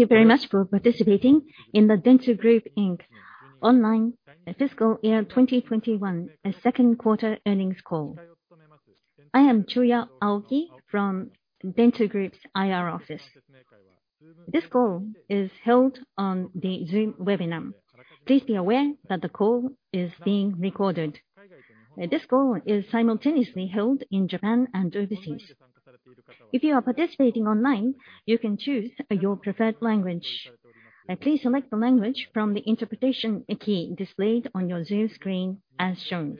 Thank you very much for participating in the Dentsu Group Inc. online fiscal year 2021 second quarter earnings call. I am Chuya Aoki from Dentsu Group's IR office. This call is held on the Zoom webinar. Please be aware that the call is being recorded. This call is simultaneously held in Japan and overseas. If you are participating online, you can choose your preferred language. Please select the language from the interpretation key displayed on your Zoom screen as shown.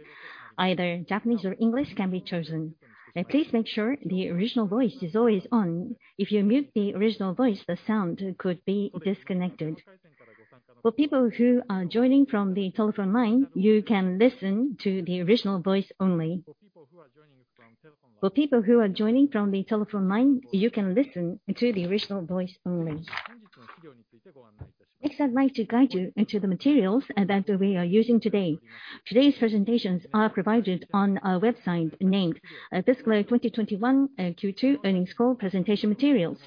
Either Japanese or English can be chosen. Please make sure the original voice is always on. If you mute the original voice, the sound could be disconnected. For people who are joining from the telephone line, you can listen to the original voice only. For people who are joining from the telephone line, you can listen to the original voice only. Next, I'd like to guide you to the materials that we are using today. Today's presentations are provided on our website named Fiscal Year 2021 Q2 Earnings Call Presentation Materials.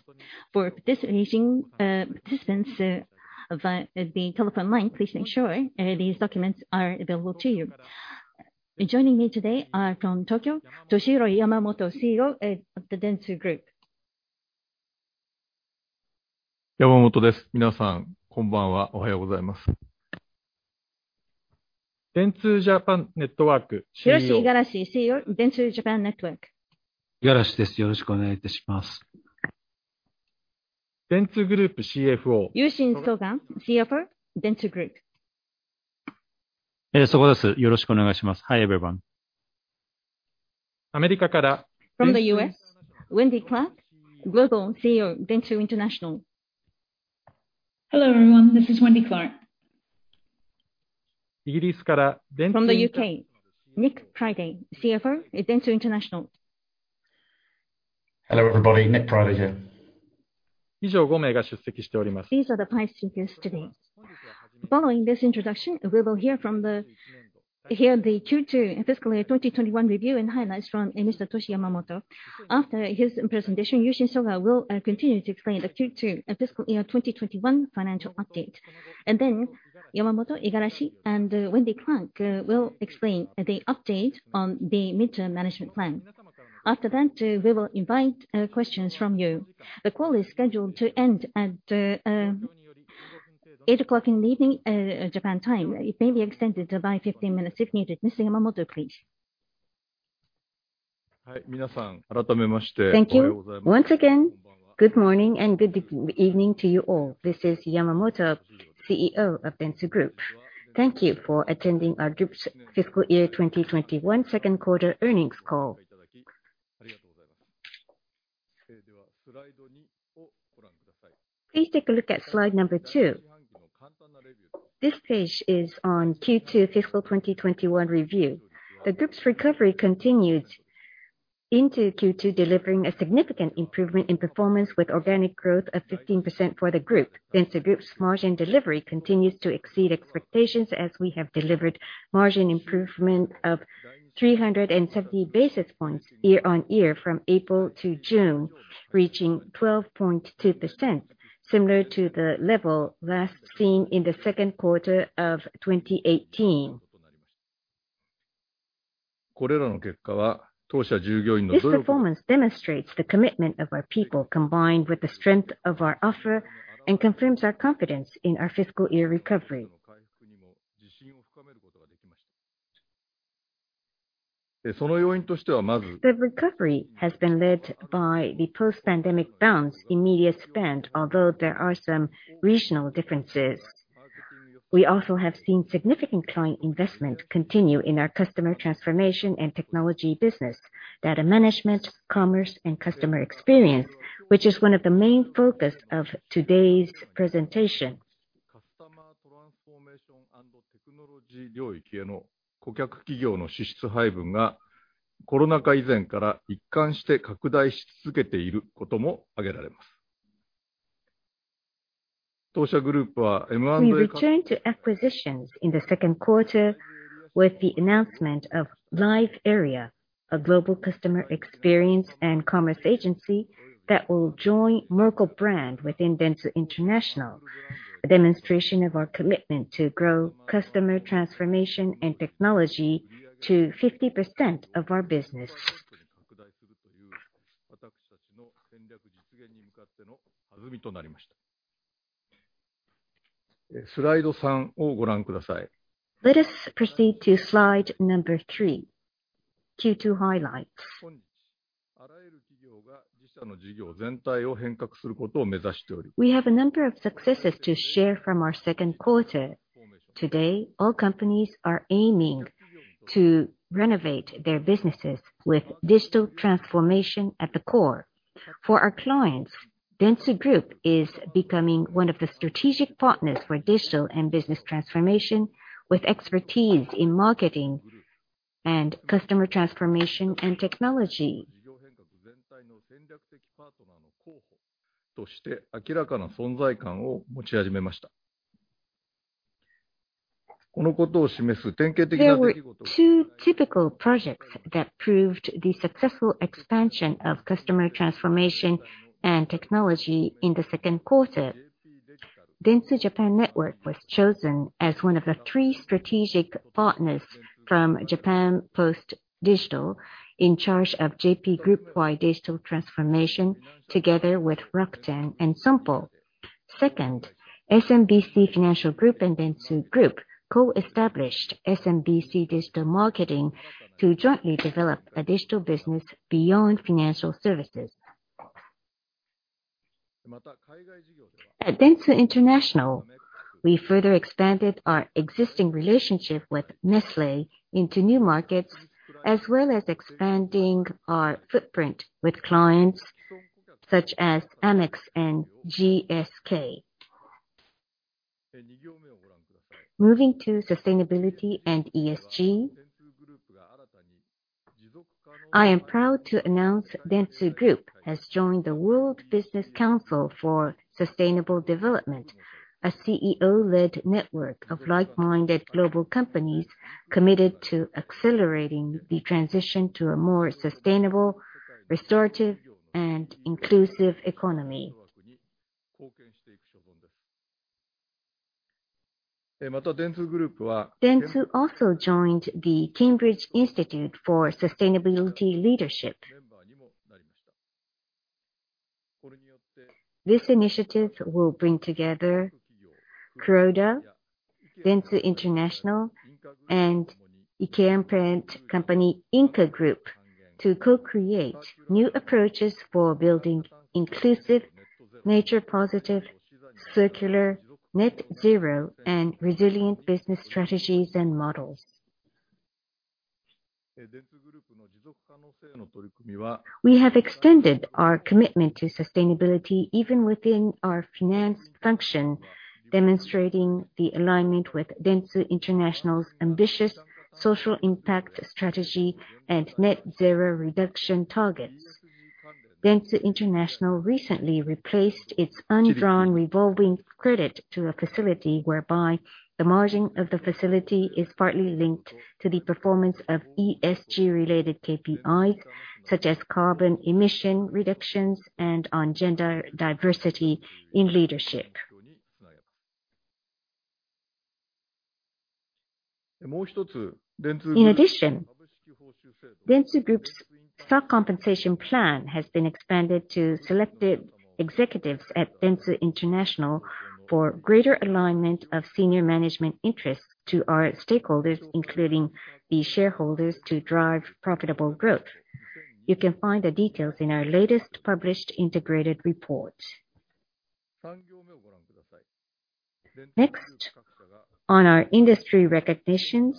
For participants via the telephone line, please make sure these documents are available to you. Joining me today are from Tokyo, Toshihiro Yamamoto, CEO of the Dentsu Group. Hiroshi Igarashi, CEO, Dentsu Japan Network. Yushin Soga, CFO, Dentsu Group. Hi, everyone. From the U.S., Wendy Clark, Global CEO, Dentsu International. Hello, everyone. This is Wendy Clark. From the U.K., Nick Priday, CFO at Dentsu International. Hello, everybody. Nick Priday here. These are the participants today. Following this introduction, we will hear the Q2 fiscal year 2021 review and highlights from Mr. Toshihiro Yamamoto. After his presentation, Yushin Soga will continue to explain the Q2 fiscal year 2021 financial update, and then Yamamoto, Igarashi, and Wendy Clark will explain the update on the Midterm Management Plan. After that, we will invite questions from you. The call is scheduled to end at 8:00 P.M. Japan time. It may be extended by 15 minutes if needed. Mr. Yamamoto, please. Thank you. Once again, good morning and good evening to you all. This is Yamamoto, CEO of Dentsu Group. Thank you for attending our group's fiscal year 2021 second quarter earnings call. Please take a look at slide number two. This page is on Q2 fiscal 2021 review. The group's recovery continued into Q2, delivering a significant improvement in performance with organic growth of 15% for the group. Dentsu Group's margin delivery continues to exceed expectations as we have delivered margin improvement of 370 basis points year-on-year from April to June, reaching 12.2%, similar to the level last seen in the second quarter of 2018. This performance demonstrates the commitment of our people, combined with the strength of our offer, and confirms our confidence in our fiscal year recovery. The recovery has been led by the post-pandemic bounce in media spend, although there are some regional differences. We also have seen significant client investment continue in our Customer Transformation & Technology business, data management, commerce, and customer experience, which is one of the main focuses of today's presentation. We returned to acquisitions in the second quarter with the announcement of LiveArea, a global customer experience and commerce agency that will join Merkle brand within Dentsu International, a demonstration of our commitment to grow Customer Transformation & Technology to 50% of our business. Let us proceed to slide number three, Q2 highlights. We have a number of successes to share from our second quarter. Today, all companies are aiming to renovate their businesses with digital transformation at the core. For our clients, Dentsu Group is becoming one of the strategic partners for digital and business transformation with expertise in marketing and Customer Transformation & Technology. There were two typical projects that proved the successful expansion of Customer Transformation & Technology in the second quarter. Dentsu Japan Network was chosen as one of the three strategic partners from Japan Post Digital in charge of JP Group-wide digital transformation together with Rakuten and Simplex. Second, SMBC Financial Group and Dentsu Group co-established SMBC Digital Marketing to jointly develop a digital business beyond financial services. At Dentsu International, we further expanded our existing relationship with Nestlé into new markets, as well as expanding our footprint with clients such as Amex and GSK. Moving to sustainability and ESG, I am proud to announce Dentsu Group has joined the World Business Council for Sustainable Development, a CEO-led network of like-minded global companies committed to accelerating the transition to a more sustainable, restorative, and inclusive economy. Dentsu also joined the Cambridge Institute for Sustainability Leadership. This initiative will bring together Croda, Dentsu International, and IKEA parent company Ingka Group to co-create new approaches for building inclusive, nature positive, circular, net zero, and resilient business strategies and models. We have extended our commitment to sustainability even within our finance function, demonstrating the alignment with Dentsu International's ambitious social impact strategy and net zero reduction targets. Dentsu International recently replaced its undrawn revolving credit to a facility whereby the margin of the facility is partly linked to the performance of ESG related KPIs, such as carbon emission reductions and on gender diversity in leadership. In addition, Dentsu Group's stock compensation plan has been expanded to selected executives at Dentsu International for greater alignment of senior management interests to our stakeholders, including the shareholders, to drive profitable growth. You can find the details in our latest published integrated report. Next, on our industry recognitions.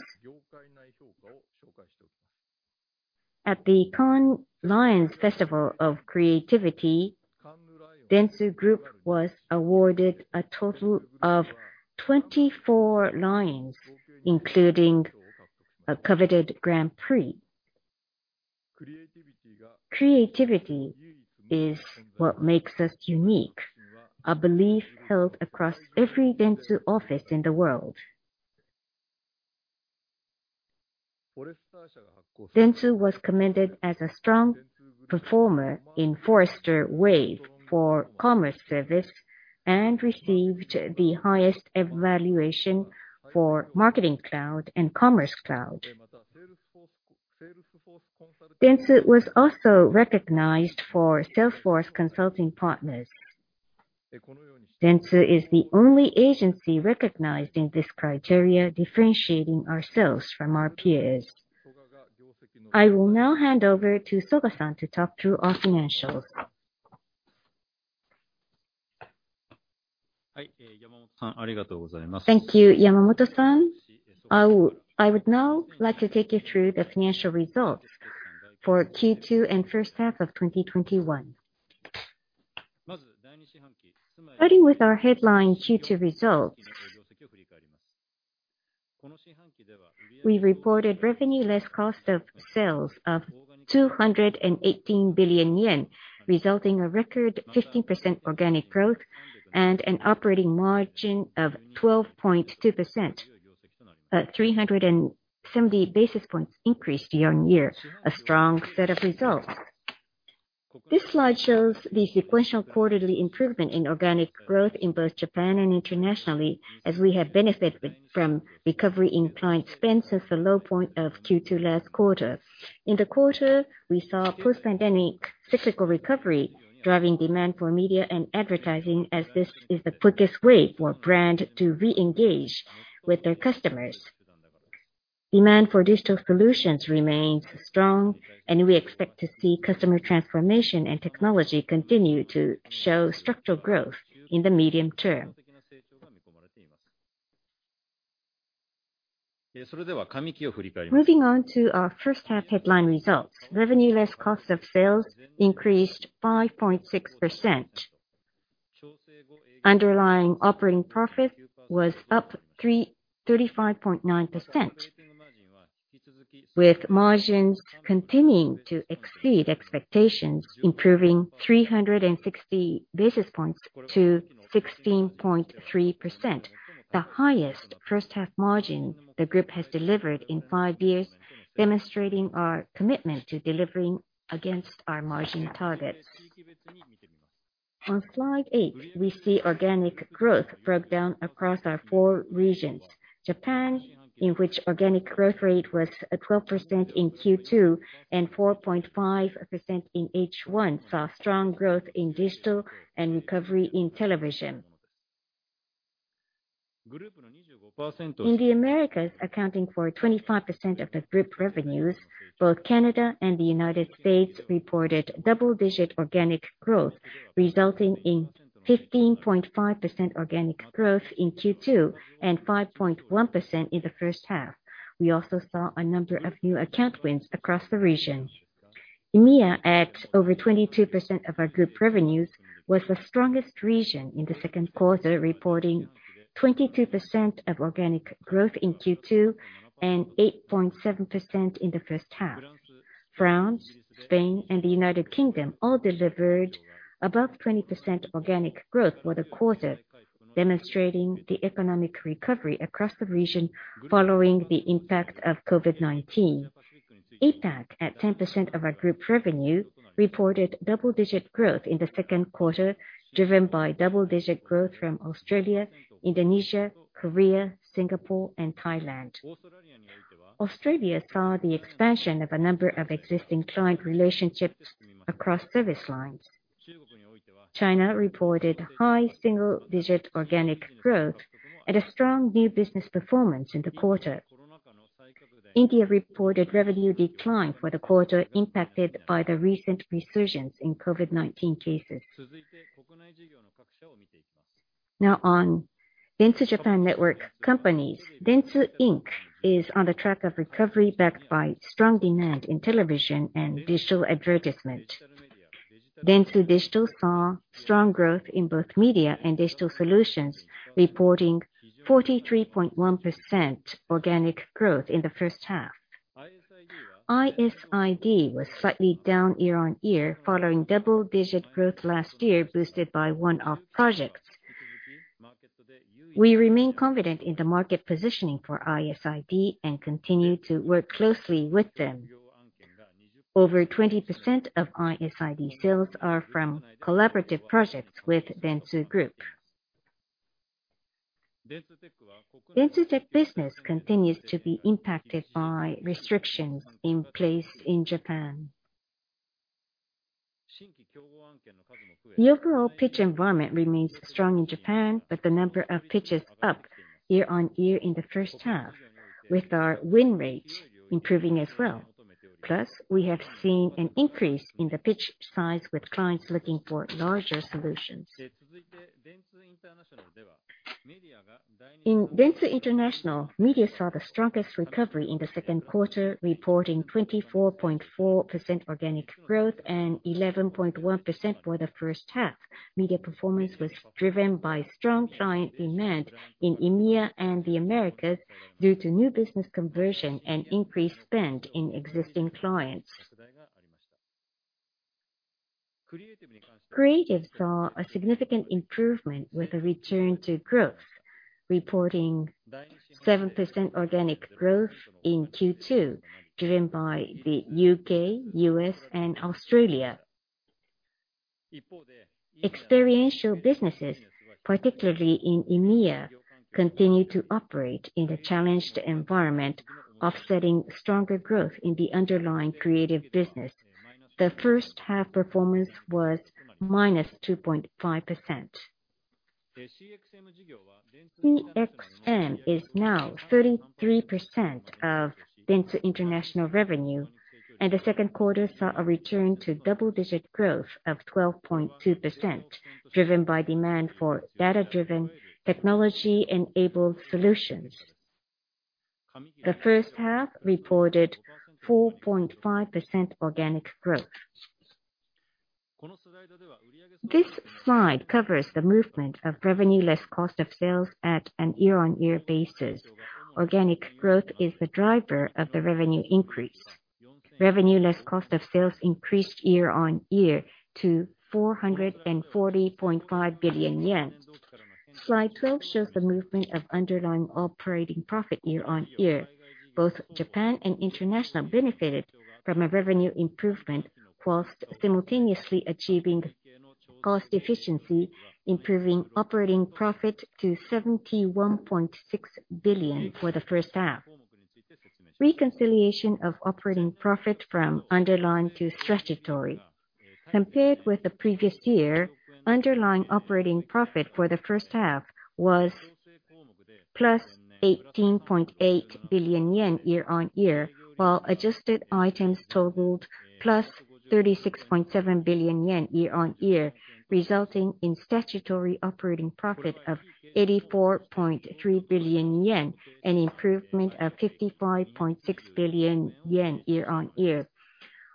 At the Cannes Lions Festival of Creativity, Dentsu Group was awarded a total of 24 Lions, including a coveted Grand Prix. Creativity is what makes us unique, a belief held across every Dentsu office in the world. Dentsu was commended as a strong performer in Forrester Wave for Commerce Services and received the highest evaluation for Marketing Cloud and Commerce Cloud. Dentsu was also recognized for Salesforce consulting partners. Dentsu is the only agency recognized in this criteria, differentiating ourselves from our peers. I will now hand over to Soga-san to talk through our financials. Thank you, Yamamoto-san. I would now like to take you through the financial results for Q2 and first half of 2021. Starting with our headline Q2 results, we reported revenue less cost of sales of 218 billion yen, resulting a record 15% organic growth and an operating margin of 12.2%, a 370 basis points increase year-on-year. A strong set of results. This slide shows the sequential quarterly improvement in organic growth in both Japan and internationally, as we have benefited from recovery in client spend since the low point of Q2 last quarter. In the quarter, we saw post-pandemic cyclical recovery driving demand for media and advertising as this is the quickest way for brand to re-engage with their customers. Demand for digital solutions remains strong, we expect to see Customer Transformation & Technology continue to show structural growth in the medium term. Moving on to our first half headline results. Revenue less cost of sales increased 5.6%. Underlying operating profit was up 35.9%. With margins continuing to exceed expectations, improving 360 basis points to 16.3%, the highest first half margin the Group has delivered in five years, demonstrating our commitment to delivering against our margin targets. On slide eight, we see organic growth broke down across our four regions. Japan, in which organic growth rate was at 12% in Q2 and 4.5% in H1, saw strong growth in digital and recovery in television. In the Americas, accounting for 25% of the Group revenues, both Canada and the United States reported double-digit organic growth, resulting in 15.5% organic growth in Q2 and 5.1% in the first half. We also saw a number of new account wins across the region. EMEA, at over 22% of our Group revenues, was the strongest region in the second quarter, reporting 22% of organic growth in Q2 and 8.7% in the first half. France, Spain, and the U.K. all delivered above 20% organic growth for the quarter, demonstrating the economic recovery across the region following the impact of COVID-19. APAC, at 10% of our Group revenue, reported double-digit growth in the second quarter, driven by double-digit growth from Australia, Indonesia, Korea, Singapore, and Thailand. Australia saw the expansion of a number of existing client relationships across service lines. China reported high single-digit organic growth and a strong new business performance in the quarter. India reported revenue decline for the quarter impacted by the recent resurgence in COVID-19 cases. On Dentsu Japan Network companies. Dentsu Inc. is on the track of recovery backed by strong demand in television and digital advertisement. Dentsu Digital saw strong growth in both media and digital solutions, reporting 43.1% organic growth in the first half. ISID was slightly down year-on-year following double-digit growth last year boosted by one-off projects. We remain confident in the market positioning for ISID and continue to work closely with them. Over 20% of ISID sales are from collaborative projects with Dentsu Group. Dentsu Tec business continues to be impacted by restrictions in place in Japan. The overall pitch environment remains strong in Japan, with the number of pitches up year-on-year in the first half, with our win rates improving as well. We have seen an increase in the pitch size with clients looking for larger solutions. In Dentsu International, media saw the strongest recovery in the second quarter, reporting 24.4% organic growth and 11.1% for the first half. Media performance was driven by strong client demand in EMEA and the Americas due to new business conversion and increased spend in existing clients. Creative saw a significant improvement with a return to growth, reporting 7% organic growth in Q2, driven by the U.K., U.S., and Australia. Experiential businesses, particularly in EMEA, continue to operate in the challenged environment, offsetting stronger growth in the underlying creative business. The first half performance was minus 2.5%. CXM is now 33% of Dentsu International revenue, and the second quarter saw a return to double-digit growth of 12.2%, driven by demand for data-driven, technology-enabled solutions. The first half reported 4.5% organic growth. This slide covers the movement of revenue less cost of sales at a year-on-year basis. Organic growth is the driver of the revenue increase. Revenue less cost of sales increased year-on-year to 440.5 billion yen. Slide 12 shows the movement of underlying operating profit year-on-year. Both Japan and International benefited from a revenue improvement whilst simultaneously achieving cost efficiency, improving operating profit to 71.6 billion for the first half. Reconciliation of operating profit from underlying to statutory. Compared with the previous year, underlying operating profit for the first half was +18.8 billion yen year-on-year, while adjusted items totaled +36.7 billion yen year-on-year, resulting in statutory operating profit of 84.3 billion yen, an improvement of 55.6 billion yen year-on-year.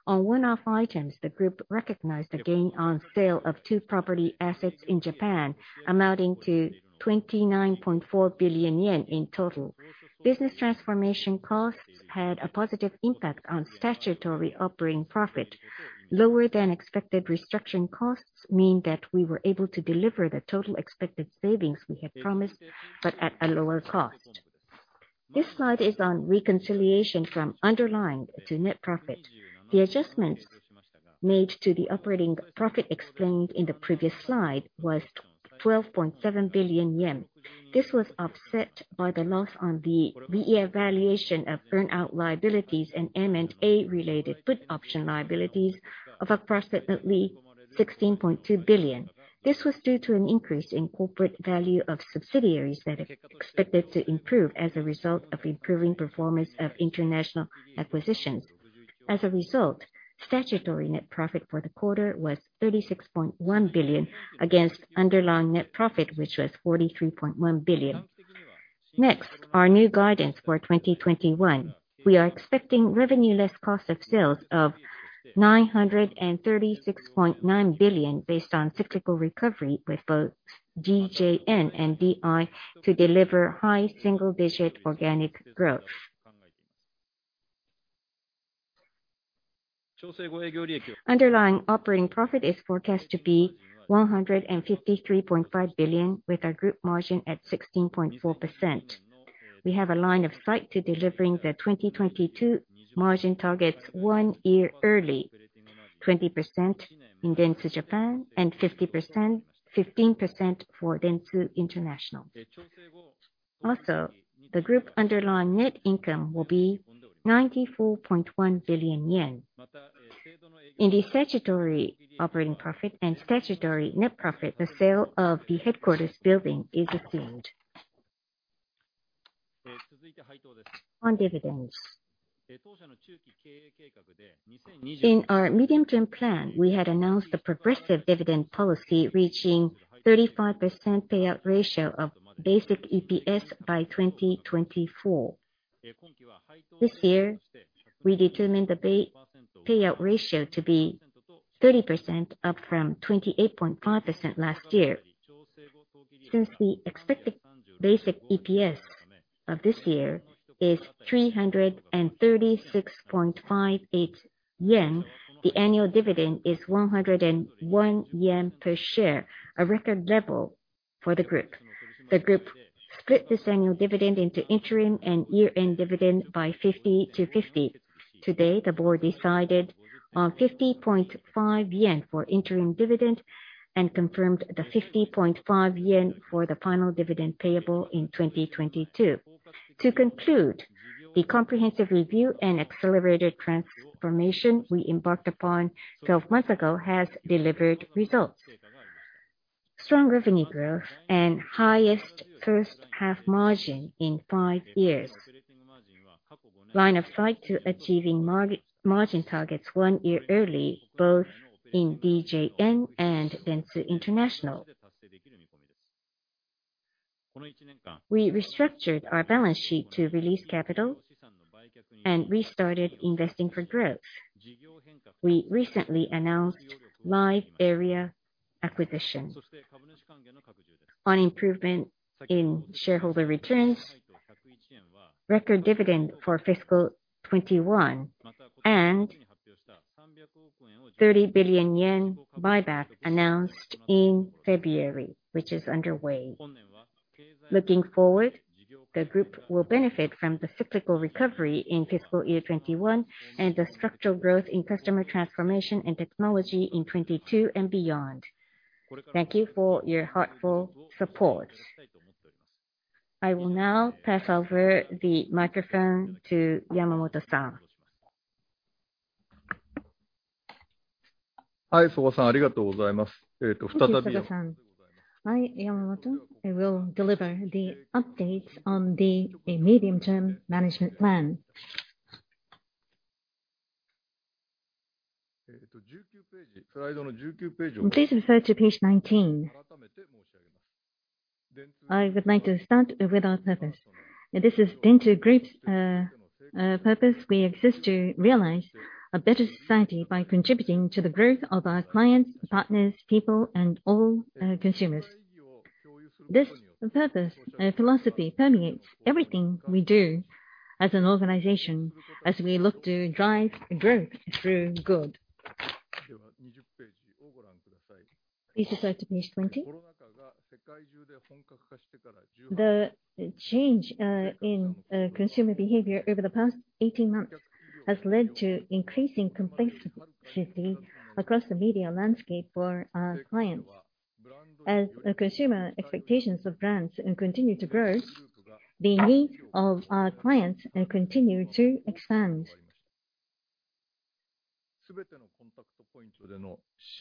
On one-off items, the Group recognized the gain on sale of two property assets in Japan, amounting to 29.4 billion yen in total. Business transformation costs had a positive impact on statutory operating profit. Lower than expected restructuring costs mean that we were able to deliver the total expected savings we had promised, at a lower cost. This slide is on reconciliation from underlying to net profit. The adjustment made to the operating profit explained in the previous slide was 12.7 billion yen. This was offset by the loss on the reevaluation of earnout liabilities and M&A-related put option liabilities of approximately 16.2 billion. This was due to an increase in corporate value of subsidiaries that are expected to improve as a result of improving performance of international acquisitions. As a result, statutory net profit for the quarter was 36.1 billion against underlying net profit, which was 43.1 billion. Next, our new guidance for 2021. We are expecting revenue less cost of sales of 936.9 billion based on cyclical recovery with both DJN and DI to deliver high single-digit organic growth. Underlying operating profit is forecast to be 153.5 billion, with our group margin at 16.4%. We have a line of sight to delivering the 2022 margin targets one year early, 20% in Dentsu Japan and 15% for Dentsu International. Also, the Group underlying net income will be 94.1 billion yen. In the statutory operating profit and statutory net profit, the sale of the headquarters building is assumed. On dividends. In our medium-term plan, we had announced a progressive dividend policy reaching 35% payout ratio of basic EPS by 2024. This year, we determined the payout ratio to be 30%, up from 28.5% last year. Since the expected basic EPS of this year is 336.58 yen, the annual dividend is 101 yen per share, a record level for the Group. The Group split this annual dividend into interim and year-end dividend by 50/50. Today, the board decided on 50.5 yen for interim dividend and confirmed the 50.5 yen for the final dividend payable in 2022. To conclude, the comprehensive review and accelerated transformation we embarked upon 12 months ago has delivered results. Strong revenue growth and highest first-half margin in five years. Line of sight to achieving margin targets one year early, both in DJN and Dentsu International. We restructured our balance sheet to release capital and restarted investing for growth. We recently announced LiveArea acquisition. On improvement in shareholder returns, record dividend for fiscal 2021, and 30 billion yen buyback announced in February, which is underway. Looking forward, the group will benefit from the cyclical recovery in fiscal year 2021 and the structural growth in Customer Transformation & Technology in 2022 and beyond. Thank you for your heartfelt support. I will now pass over the microphone to Yamamoto-san. Thank you, Soga-san. I, Yamamoto, will deliver the updates on the medium-term management plan. Please refer to page 19. I would like to start with our purpose. This is Dentsu Group's purpose. We exist to realize a better society by contributing to the growth of our clients, partners, people, and all consumers. This purpose and philosophy permeates everything we do as an organization as we look to drive growth through good. Please refer to page 20. The change in consumer behavior over the past 18 months has led to increasing complexity across the media landscape for our clients. As consumer expectations of brands continue to grow, the need of our clients continue to expand.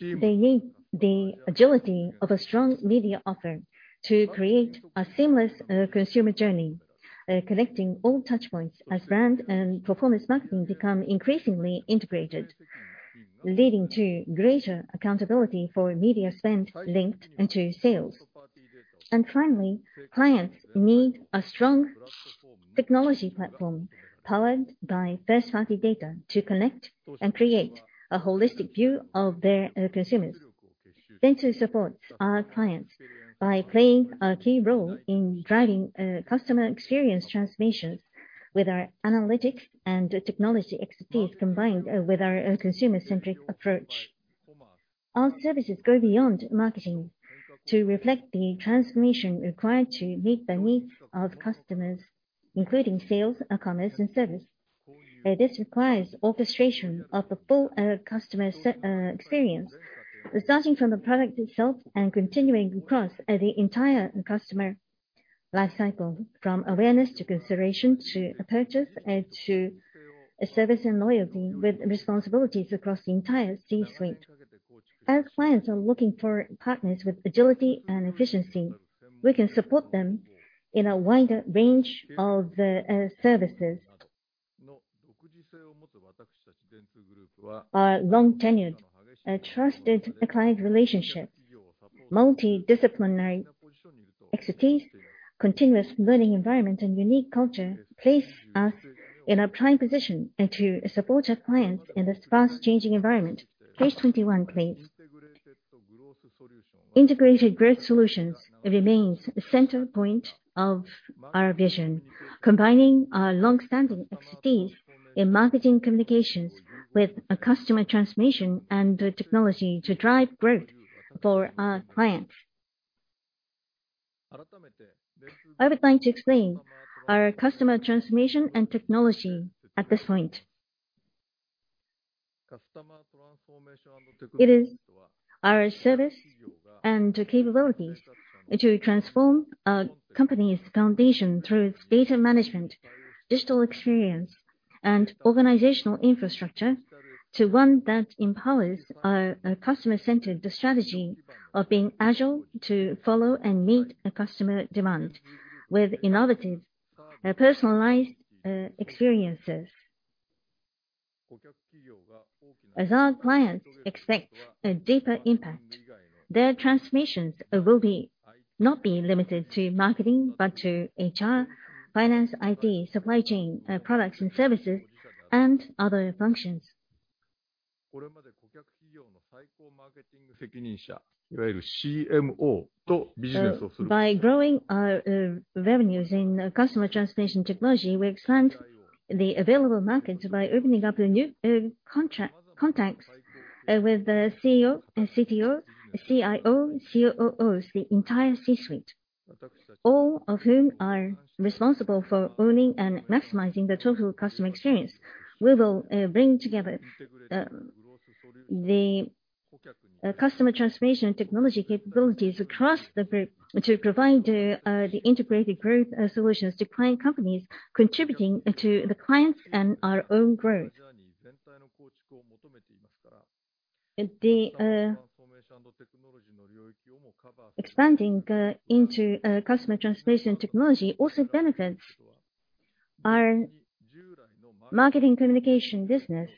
They need the agility of a strong media offer to create a seamless consumer journey, connecting all touch points as brand and performance marketing become increasingly integrated, leading to greater accountability for media spend linked into sales. Finally, clients need a strong technology platform powered by first-party data to connect and create a holistic view of their consumers. Dentsu supports our clients by playing a key role in driving customer experience transformations with our analytics and technology expertise, combined with our consumer-centric approach. Our services go beyond marketing to reflect the transformation required to meet the needs of customers, including sales, commerce, and service. This requires orchestration of the full customer experience, starting from the product itself and continuing across the entire customer life cycle, from awareness to consideration to purchase and to service and loyalty, with responsibilities across the entire C-suite. Our clients are looking for partners with agility and efficiency. We can support them in a wider range of services. Our long-tenured, trusted client relationships, multidisciplinary expertise, continuous learning environment, and unique culture place us in a prime position to support our clients in this fast-changing environment. Page 21, please. Integrated Growth Solutions remains the center point of our vision. Combining our long-standing expertise in marketing communications with Customer Transformation & Technology to drive growth for our clients. I would like to explain our Customer Transformation & Technology at this point. It is our service and capabilities to transform a company's foundation through its data management, digital experience, and organizational infrastructure, to one that empowers our customer-centered strategy of being agile to follow and meet customer demand with innovative, personalized experiences. As our clients expect a deeper impact, their transformations will not be limited to marketing, but to HR, finance, IT, supply chain, products and services, and other functions. By growing our revenues in Customer Transformation & Technology, we expand the available markets by opening up new contacts with the CEO, CTO, CIO, COOs, the entire C-suite, all of whom are responsible for owning and maximizing the total customer experience. We will bring together the Customer Transformation & Technology capabilities across the group to provide the Integrated Growth Solutions to client companies, contributing to the clients and our own growth. Expanding into Customer Transformation & Technology also benefits our marketing communication business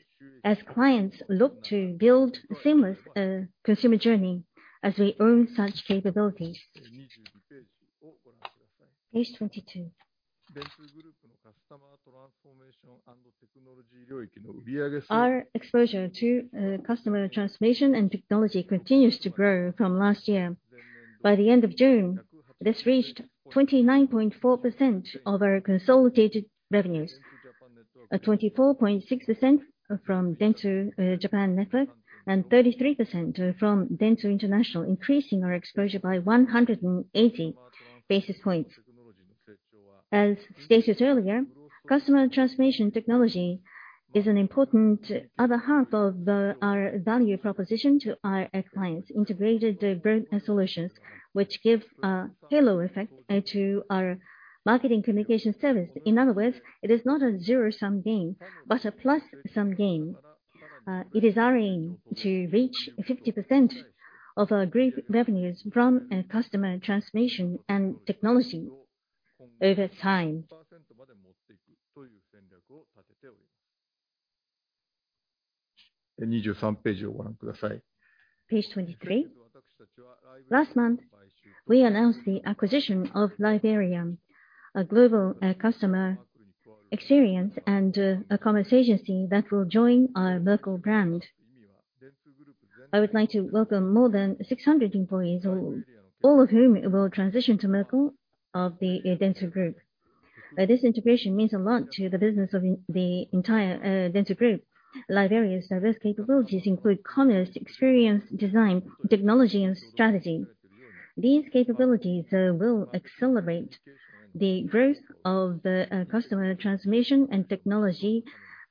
as clients look to build seamless consumer journey, as we own such capabilities. Page 22. Our exposure to Customer Transformation & Technology continues to grow from last year. By the end of June, this reached 29.4% of our consolidated revenues. At 24.6% from Dentsu Japan Network and 33% from Dentsu International, increasing our exposure by 180 basis points. As stated earlier, Customer Transformation & Technology is an important other half of our value proposition to our clients, Integrated Growth Solutions, which give a halo effect to our marketing communication service. In other words, it is not a zero-sum game, but a plus-sum game. It is our aim to reach 50% of our group revenues from Customer Transformation & Technology over time. Page 23. Last month, we announced the acquisition of LiveArea, a global customer experience and e-commerce agency that will join our Merkle brand. I would like to welcome more than 600 employees, all of whom will transition to Merkle of the Dentsu Group. This integration means a lot to the business of the entire Dentsu Group. LiveArea's diverse capabilities include commerce, experience design, technology, and strategy. These capabilities will accelerate the growth of the Customer Transformation & Technology,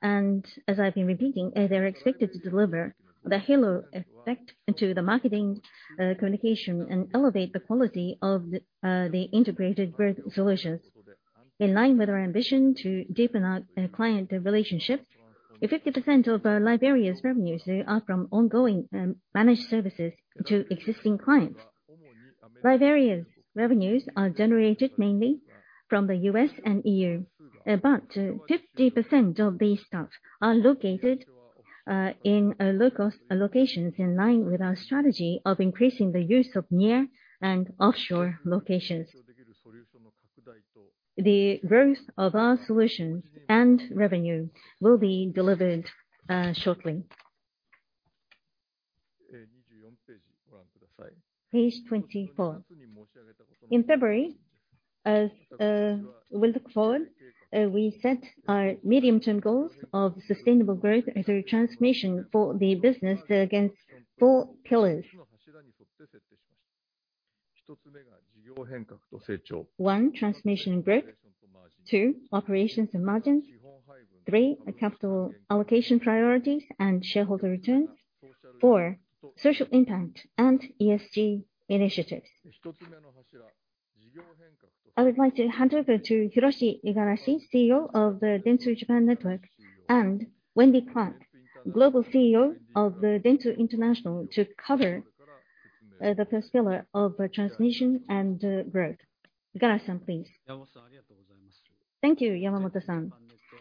and as I've been repeating, they're expected to deliver the halo effect to the marketing communication and elevate the quality of the Integrated Growth Solutions. In line with our ambition to deepen our client relationships, 50% of LiveArea's revenues are from ongoing managed services to existing clients. LiveArea's revenues are generated mainly from the U.S. and E.U. About 50% of these staff are located in low-cost locations in line with our strategy of increasing the use of near and offshore locations. The growth of our solutions and revenue will be delivered shortly. Page 24. In February, as we look forward, we set our medium-term goals of sustainable growth through transformation for the business against four pillars. One, transformation and growth. Two, operations and margins. Three, capital allocation priorities and shareholder returns. Four, social impact and ESG initiatives. I would like to hand over to Hiroshi Igarashi, CEO of the Dentsu Japan Network, and Wendy Clark, Global CEO of the Dentsu International, to cover the first pillar of transformation and growth. Igarashi-san, please. Thank you, Yamamoto-san.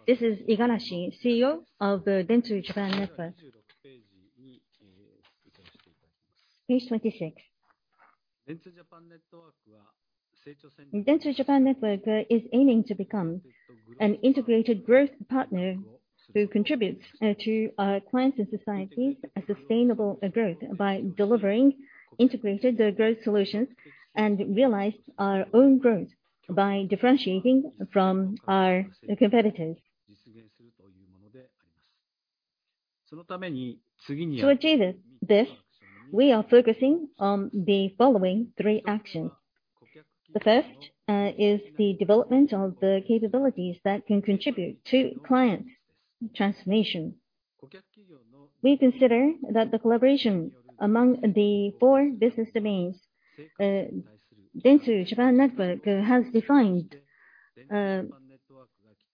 This is Igarashi, CEO of the Dentsu Japan Network. Page 26. Dentsu Japan Network is aiming to become an integrated growth partner who contributes to our clients and societies' sustainable growth by delivering Integrated Growth Solutions and realize our own growth by differentiating from our competitors. To achieve this, we are focusing on the following three actions. The first is the development of the capabilities that can contribute to clients' transformation. We consider that the collaboration among the four business domains Dentsu Japan Network has defined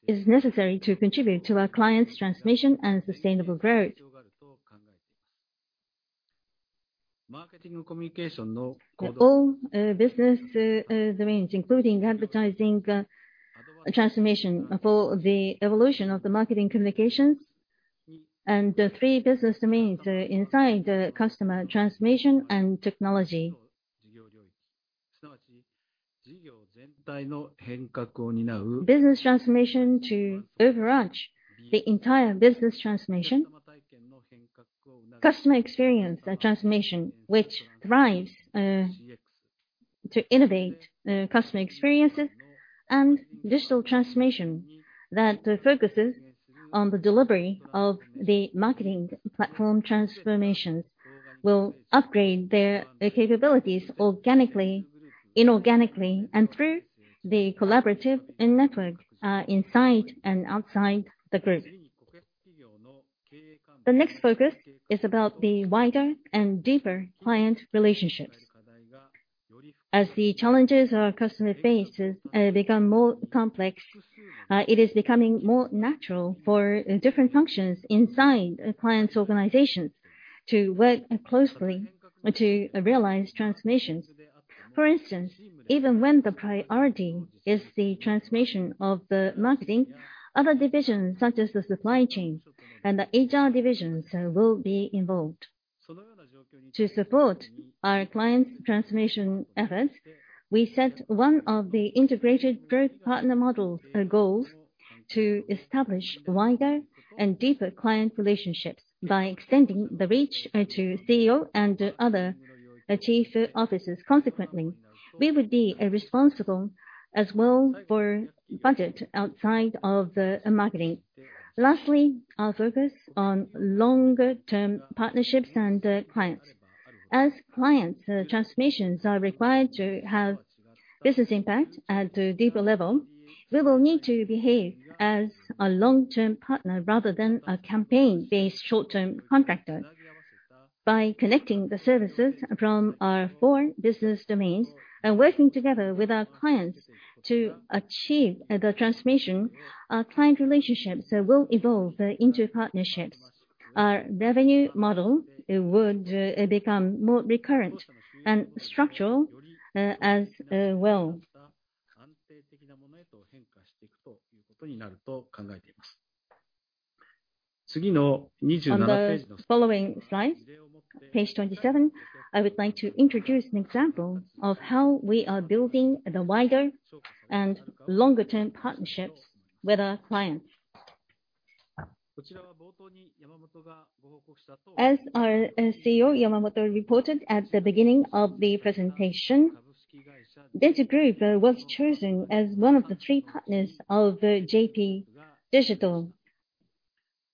is necessary to contribute to our clients' transformation and sustainable growth. All business domains, including advertising transformation for the evolution of the marketing communications, and three business domains inside Customer Transformation & Technology. Business transformation to overarching the entire business transformation. Customer experience transformation, which thrives to innovate customer experiences. Digital transformation that focuses on the delivery of the marketing platform transformations will upgrade their capabilities organically, inorganically, and through the collaborative network inside and outside the group. The next focus is about the wider and deeper client relationships. As the challenges our customers face become more complex, it is becoming more natural for different functions inside a client's organization to work closely to realize transformations. For instance, even when the priority is the transformation of the marketing, other divisions such as the supply chain and the HR divisions will be involved. To support our clients' transformation efforts, we set one of the Integrated Growth Partner Model goals to establish wider and deeper client relationships by extending the reach to CEO and other chief officers. Consequently, we would be responsible as well for budget outside of the marketing. Lastly, our focus on longer-term partnerships and clients. As clients' transformations are required to have business impact at a deeper level, we will need to behave as a long-term partner rather than a campaign-based short-term contractor. By connecting the services from our four business domains and working together with our clients to achieve the transformation, our client relationships will evolve into partnerships. Our revenue model would become more recurrent and structural as well. On the following slide, page 27, I would like to introduce an example of how we are building the wider and longer-term partnerships with our clients. As our CEO, Yamamoto, reported at the beginning of the presentation, Dentsu Group was chosen as one of the three partners of JP Digital,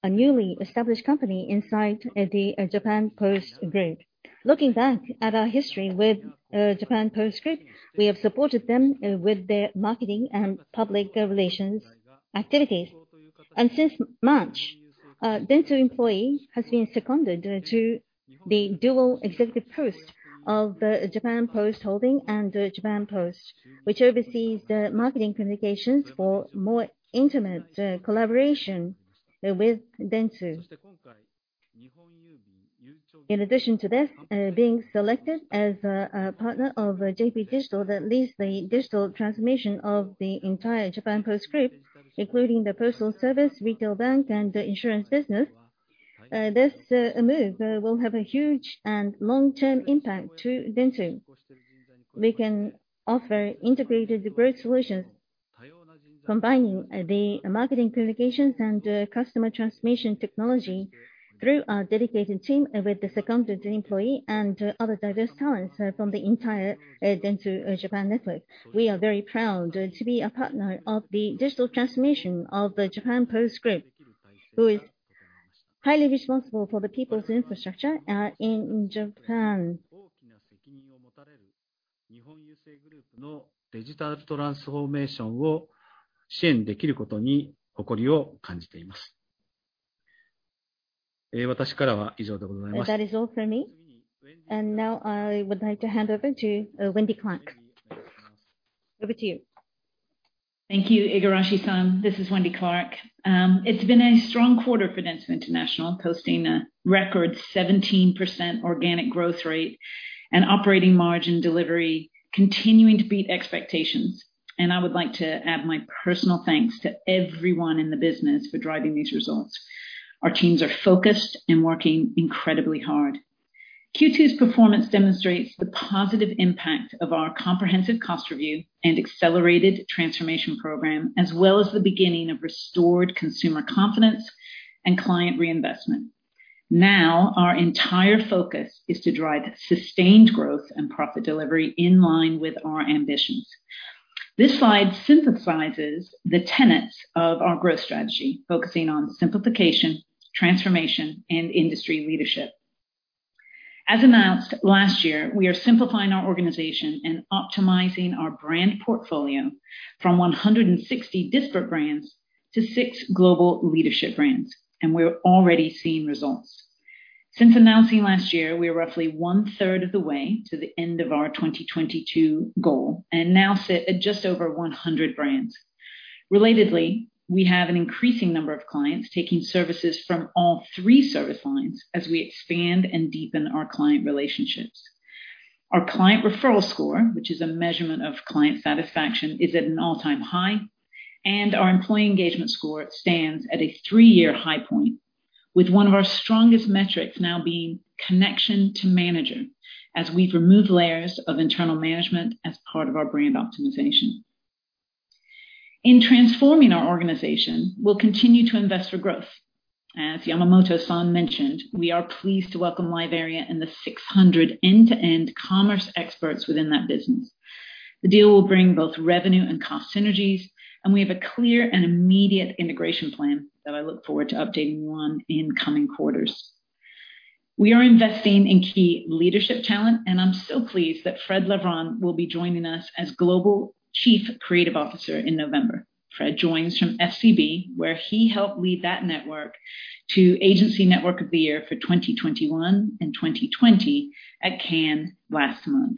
a newly established company inside the Japan Post Group. Looking back at our history with Japan Post Group, we have supported them with their marketing and public relations activities. Since March, Dentsu employee has been seconded to the dual executive post of the Japan Post Holdings and Japan Post, which oversees the marketing communications for more intimate collaboration with Dentsu. In addition to this, being selected as a partner of JP Digital that leads the digital transformation of the entire Japan Post Group, including the postal service, retail bank, and the insurance business. This move will have a huge and long-term impact to Dentsu. We can offer Integrated Growth Solutions combining the marketing communications and Customer Transformation & Technology through our dedicated team with the second Dentsu employee and other diverse talents from the entire Dentsu Japan Network. We are very proud to be a partner of the digital transformation of the Japan Post Group, who is highly responsible for the people's infrastructure in Japan. That is all for me. Now I would like to hand over to Wendy Clark. Over to you. Thank you, Igarashi-san. This is Wendy Clark. It's been a strong quarter for Dentsu International, posting a record 17% organic growth rate and operating margin delivery continuing to beat expectations. I would like to add my personal thanks to everyone in the business for driving these results. Our teams are focused and working incredibly hard. Q2's performance demonstrates the positive impact of our comprehensive cost review and accelerated transformation program, as well as the beginning of restored consumer confidence and client reinvestment. Now, our entire focus is to drive sustained growth and profit delivery in line with our ambitions. This slide synthesizes the tenets of our growth strategy, focusing on simplification, transformation, and industry leadership. As announced last year, we are simplifying our organization and optimizing our brand portfolio from 160 disparate brands to six global leadership brands, and we're already seeing results. Since announcing last year, we are roughly one-third of the way to the end of our 2022 goal and now sit at just over 100 brands. Relatedly, we have an increasing number of clients taking services from all three service lines as we expand and deepen our client relationships. Our client referral score, which is a measurement of client satisfaction, is at an all-time high, and our employee engagement score stands at a three-year high point with one of our strongest metrics now being connection to manager, as we've removed layers of internal management as part of our brand optimization. In transforming our organization, we'll continue to invest for growth. As Yamamoto-san mentioned, we are pleased to welcome LiveArea and the 600 end-to-end commerce experts within that business. The deal will bring both revenue and cost synergies, and we have a clear and immediate integration plan that I look forward to updating you on in coming quarters. We are investing in key leadership talent, and I'm so pleased that Fred Levron will be joining us as Global Chief Creative Officer in November. Fred joins from FCB, where he helped lead that network to Agency Network of the Year for 2021 and 2020 at Cannes last month.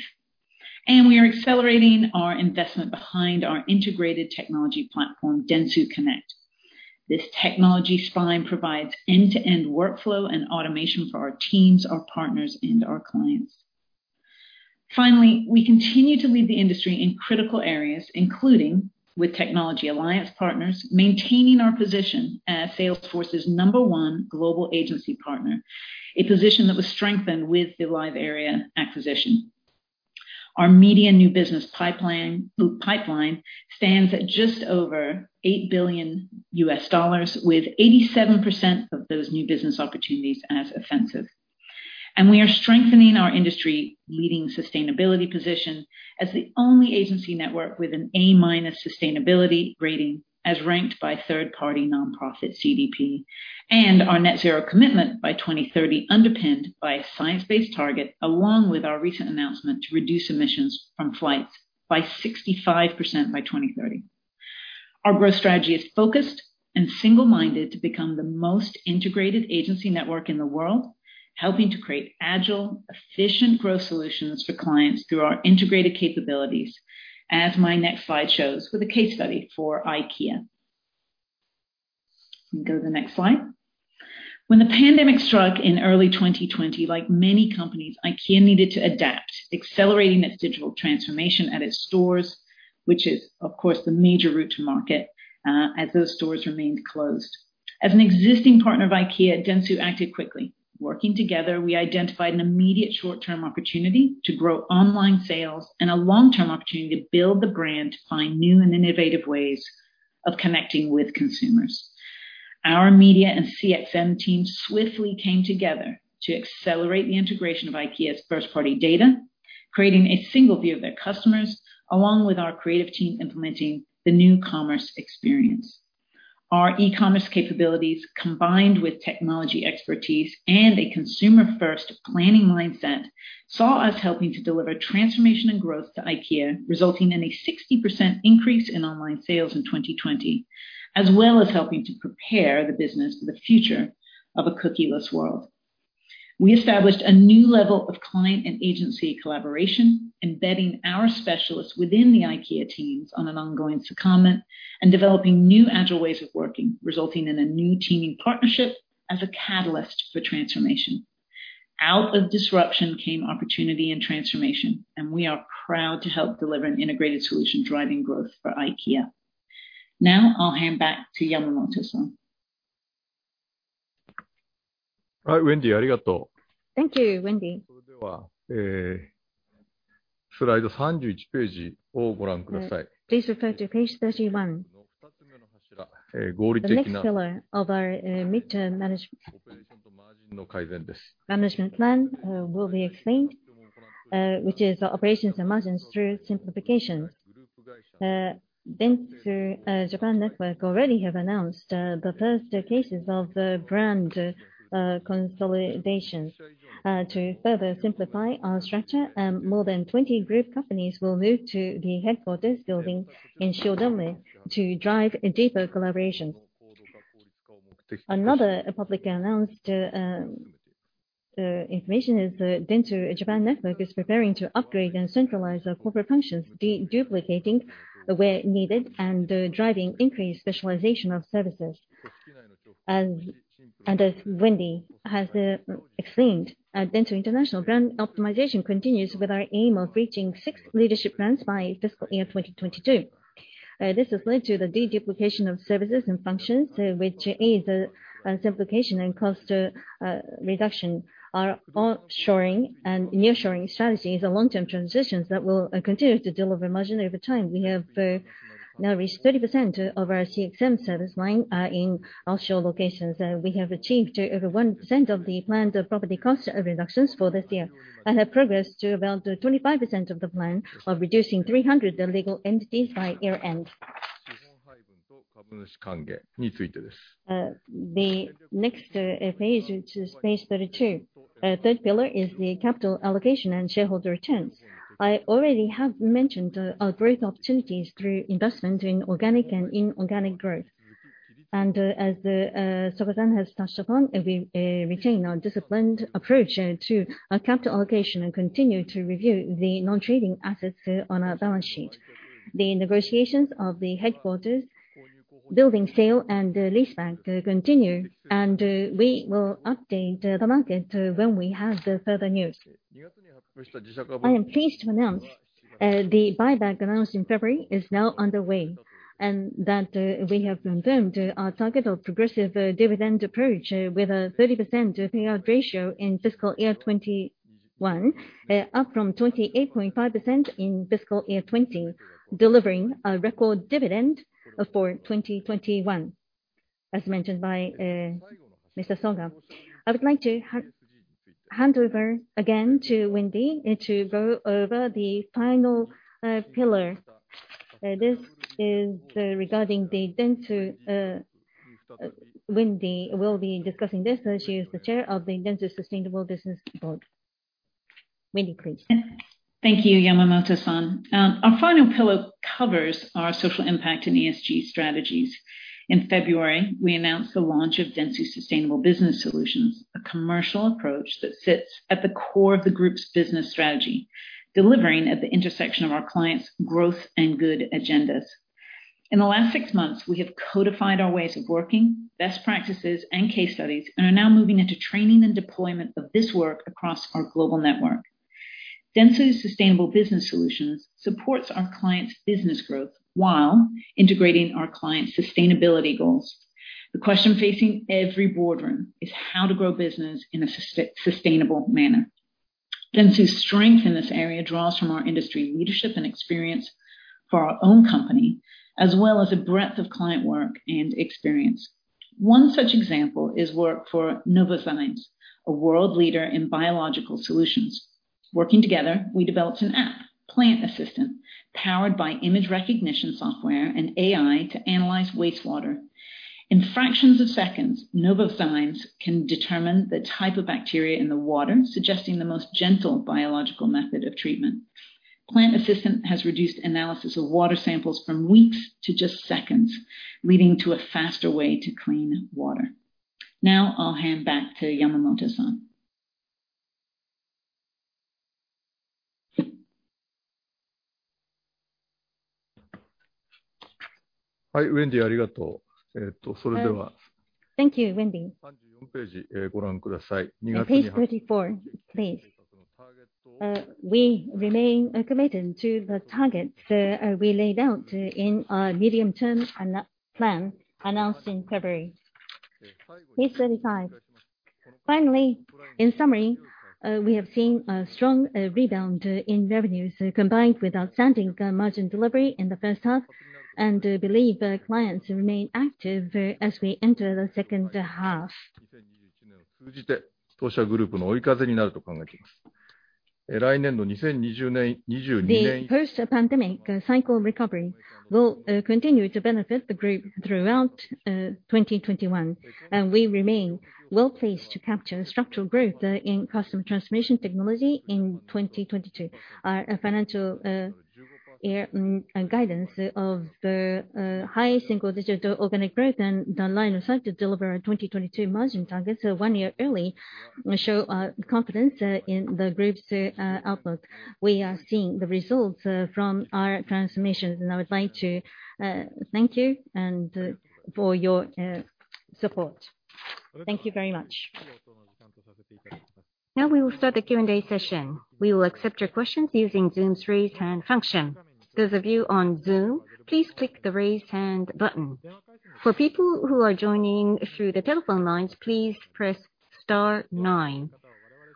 We are accelerating our investment behind our integrated technology platform, Dentsu Connect. This technology spine provides end-to-end workflow and automation for our teams, our partners, and our clients. Finally, we continue to lead the industry in critical areas, including with technology alliance partners, maintaining our position as Salesforce's number one global agency partner, a position that was strengthened with the LiveArea acquisition. Our media new business pipeline stands at just over $8 billion, with 87% of those new business opportunities as offensive. We are strengthening our industry-leading sustainability position as the only agency network with an A- sustainability rating, as ranked by third-party non-profit CDP. Our net zero commitment by 2030 underpinned by a science-based target, along with our recent announcement to reduce emissions from flights by 65% by 2030. Our growth strategy is focused and single-minded to become the most integrated agency network in the world, helping to create agile, efficient growth solutions for clients through our integrated capabilities, as my next slide shows with a case study for IKEA. Go to the next slide. When the pandemic struck in early 2020, like many companies, IKEA needed to adapt, accelerating its digital transformation at its stores, which is, of course, the major route to market as those stores remained closed. As an existing partner of IKEA, Dentsu acted quickly. Working together, we identified an immediate short-term opportunity to grow online sales and a long-term opportunity to build the brand to find new and innovative ways of connecting with consumers. Our media and CXM teams swiftly came together to accelerate the integration of IKEA's first-party data, creating a single view of their customers, along with our creative team implementing the new commerce experience. Our e-commerce capabilities, combined with technology expertise and a consumer-first planning mindset, saw us helping to deliver transformation and growth to IKEA, resulting in a 60% increase in online sales in 2020, as well as helping to prepare the business for the future of a cookie-less world. We established a new level of client and agency collaboration, embedding our specialists within the IKEA teams on an ongoing secondment and developing new agile ways of working, resulting in a new teaming partnership as a catalyst for transformation. Out of disruption came opportunity and transformation, and we are proud to help deliver an integrated solution driving growth for IKEA. I'll hand back to Yamamoto-san. Thank you, Wendy. Please refer to page 31. The next pillar of our mid-term management plan will be explained, which is operations and margins through simplification. Dentsu Japan Network already have announced the first cases of the brand consolidation. To further simplify our structure, more than 20 group companies will move to the headquarters building in Shiodome to drive deeper collaboration. Another publicly announced information is that Dentsu Japan Network is preparing to upgrade and centralize our corporate functions, de-duplicating where needed and driving increased specialization of services. As Wendy has explained, at Dentsu International, brand optimization continues with our aim of reaching six leadership brands by fiscal year 2022. This has led to the de-duplication of services and functions, which aids simplification and cost reduction. Our on-shoring and near-shoring strategy is a long-term transition that will continue to deliver margin over time. We have now reached 30% of our CXM service line in offshore locations. We have achieved over 1% of the planned property cost reductions for this year and have progressed to around 25% of the plan of reducing 300 legal entities by year-end. The next page, which is page 32. Third pillar is the capital allocation and shareholder returns. I already have mentioned our growth opportunities through investment in organic and inorganic growth. As Soga-san has touched upon, we retain our disciplined approach to our capital allocation and continue to review the non-trading assets on our balance sheet. The negotiations of the headquarters building sale and the leaseback continue, and we will update the market when we have further news. I am pleased to announce the buyback announced in February is now underway, and that we have confirmed our target of progressive dividend approach with a 30% payout ratio in fiscal year 2021, up from 28.5% in fiscal year 2020, delivering a record dividend for 2021. As mentioned by Mr. Soga. I would like to hand over again to Wendy to go over the final pillar. This will be regarding the data Wendy will be discussing this as she is the chair of the Dentsu Sustainable Business Board. Wendy, please. Thank you, Yamamoto-san. Our final pillar covers our social impact and ESG strategies. In February, we announced the launch of dentsu Sustainable Business Solutions, a commercial approach that sits at the core of the Group's business strategy, delivering at the intersection of our clients' growth and good agendas. In the last six months, we have codified our ways of working, best practices, and case studies, and are now moving into training and deployment of this work across our global network. Dentsu Sustainable Business Solutions supports our clients' business growth while integrating our clients' sustainability goals. The question facing every boardroom is how to grow business in a sustainable manner. Dentsu's strength in this area draws from our industry leadership and experience for our own company, as well as a breadth of client work and experience. One such example is work for Novozymes, a world leader in biological solutions. Working together, we developed an app, Plant Assistant, powered by image recognition software and AI to analyze wastewater. In fractions of seconds, Novozymes can determine the type of bacteria in the water, suggesting the most gentle biological method of treatment. Plant Assistant has reduced analysis of water samples from weeks to just seconds, leading to a faster way to clean water. Now I'll hand back to Yamamoto-san. Thank you, Wendy. Page 34, please. We remain committed to the targets we laid out in our medium-term plan announced in February. Page 35. Finally, in summary, we have seen a strong rebound in revenues combined with outstanding margin delivery in the first half and believe clients remain active as we enter the second half. The post-pandemic cycle recovery will continue to benefit the group throughout 2021, and we remain well-placed to capture structural growth in Customer Transformation & Technology in 2022. Our financial guidance of the high single-digit organic growth and the line of sight to deliver our 2022 margin targets a one year early show our confidence in the group's outlook. We are seeing the results from our transformations, and I would like to thank you for your support. Thank you very much. Now we will start the Q&A session. We will accept your questions using Zoom's raise hand function. Those of you on Zoom, please click the raise hand button. For people who are joining through the telephone lines, please press star nine.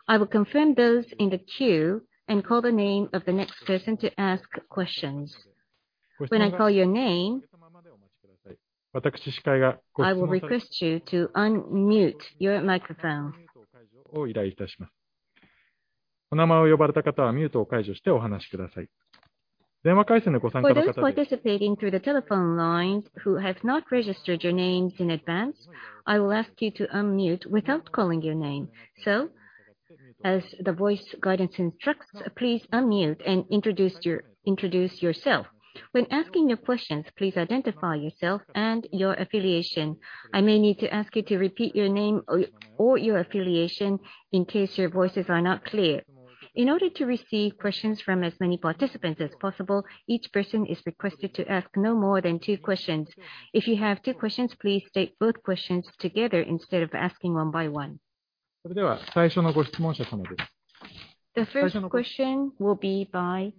I will confirm those in the queue and call the name of the next person to ask questions. When I call your name, I will request you to unmute your microphone. For those participating through the telephone lines who have not registered your names in advance, I will ask you to unmute without calling your name. As the voice guidance instructs, please unmute and introduce yourself. When asking your questions, please identify yourself and your affiliation. I may need to ask you to repeat your name or your affiliation in case your voices are not clear. In order to receive questions from as many participants as possible, each person is requested to ask no more than two questions. If you have two questions, please state both questions together instead of asking one by one. The first question will be by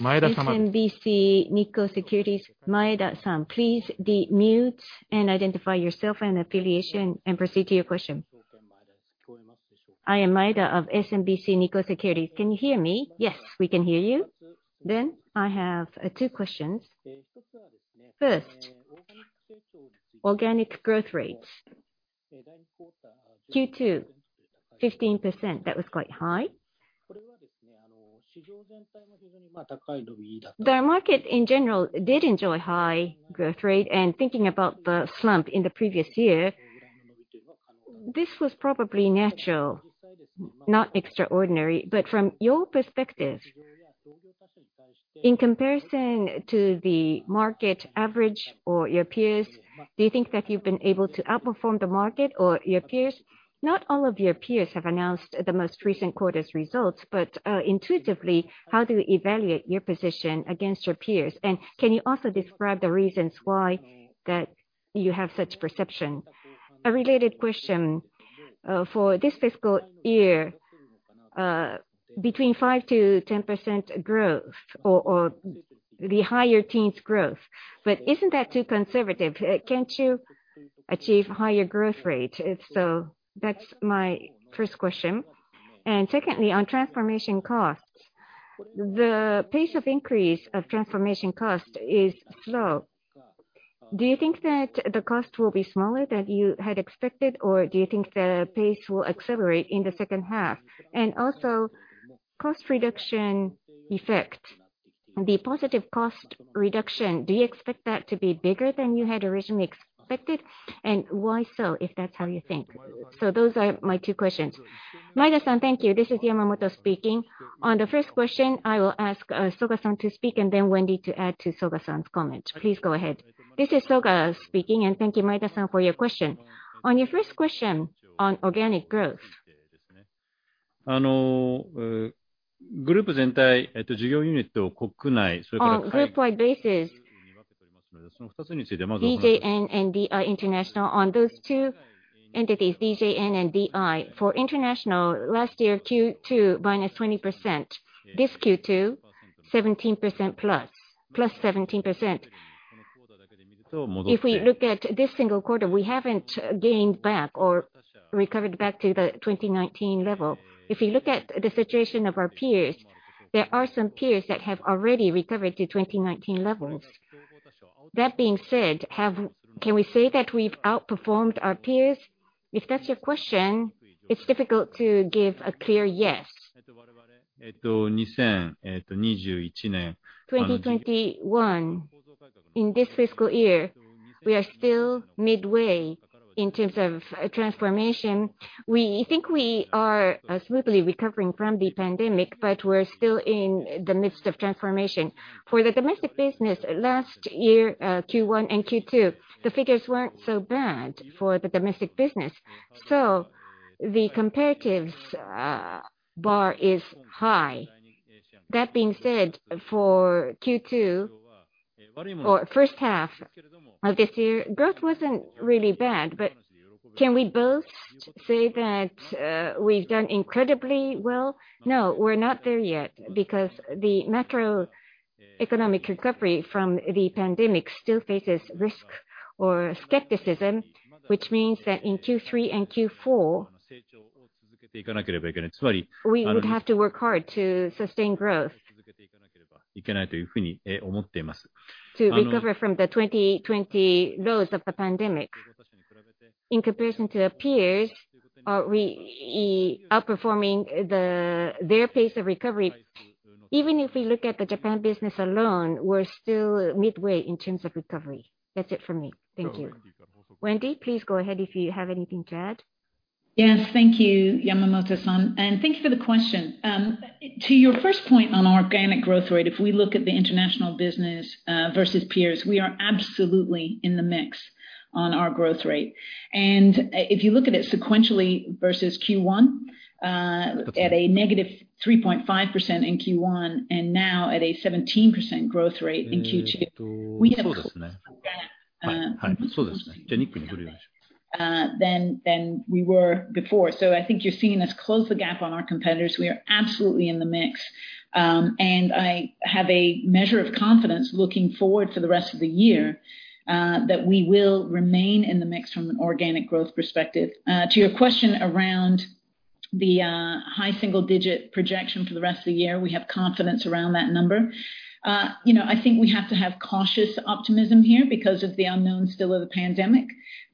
SMBC Nikko Securities, Maeda-san. Please de-mute and identify yourself and affiliation, and proceed to your question. I am Maeda of SMBC Nikko Securities. Can you hear me? Yes, we can hear you. I have two questions. First, organic growth rates. Q2, 15%, that was quite high. The market in general did enjoy high growth rate. Thinking about the slump in the previous year, this was probably natural, not extraordinary. From your perspective, in comparison to the market average or your peers, do you think that you've been able to outperform the market or your peers? Not all of your peers have announced the most recent quarter's results. Intuitively, how do you evaluate your position against your peers? Can you also describe the reasons why that you have such perception? A related question. For this fiscal year, between 5%-10% growth, or the higher teens growth. Isn't that too conservative? Can't you achieve higher growth rate? That's my first question. Secondly, on transformation costs. The pace of increase of transformation cost is slow. Do you think that the cost will be smaller than you had expected, or do you think the pace will accelerate in the second half? Also, cost reduction effect, the positive cost reduction, do you expect that to be bigger than you had originally expected, and why so, if that's how you think? Those are my two questions. Maeda-san, thank you. This is Yamamoto speaking. On the first question, I will ask Soga-san to speak and then Wendy to add to Soga-san's comment. Please go ahead. This is Soga speaking. Thank you, Maeda-san, for your question. On your first question on organic growth. On group wide basis, DJN and DI International, on those two entities, DJN and DI. For International, last year Q2, -20%. This Q2, +17%. +17%. If we look at this single quarter, we haven't gained back or recovered back to the 2019 level. If you look at the situation of our peers, there are some peers that have already recovered to 2019 levels. That being said, can we say that we've outperformed our peers? If that's your question, it's difficult to give a clear yes. 2021, in this fiscal year, we are still midway in terms of transformation. We think we are smoothly recovering from the pandemic, but we're still in the midst of transformation. For the domestic business last year, Q1 and Q2, the figures weren't so bad for the domestic business, so the comparatives bar is high. That being said, for Q2 or first half of this year, growth wasn't really bad. Can we both say that we've done incredibly well? No, we're not there yet because the macroeconomic recovery from the pandemic still faces risk or skepticism, which means that in Q3 and Q4, we would have to work hard to sustain growth to recover from the 2020 lows of the pandemic. In comparison to our peers, are we outperforming their pace of recovery? Even if we look at the Japan business alone, we're still midway in terms of recovery. That's it for me. Thank you. Wendy, please go ahead if you have anything to add. Yes. Thank you, Yamamoto-san. Thank you for the question. To your first point on organic growth rate, if we look at the international business versus peers, we are absolutely in the mix on our growth rate. If you look at it sequentially versus Q1, at a -3.5% in Q1 and now at a 17% growth rate in Q2. Then we were before. I think you're seeing us close the gap on our competitors. We are absolutely in the mix. I have a measure of confidence looking forward to the rest of the year, that we will remain in the mix from an organic growth perspective. To your question around the high single-digit projection for the rest of the year, we have confidence around that number. I think we have to have cautious optimism here because of the unknown still of the pandemic.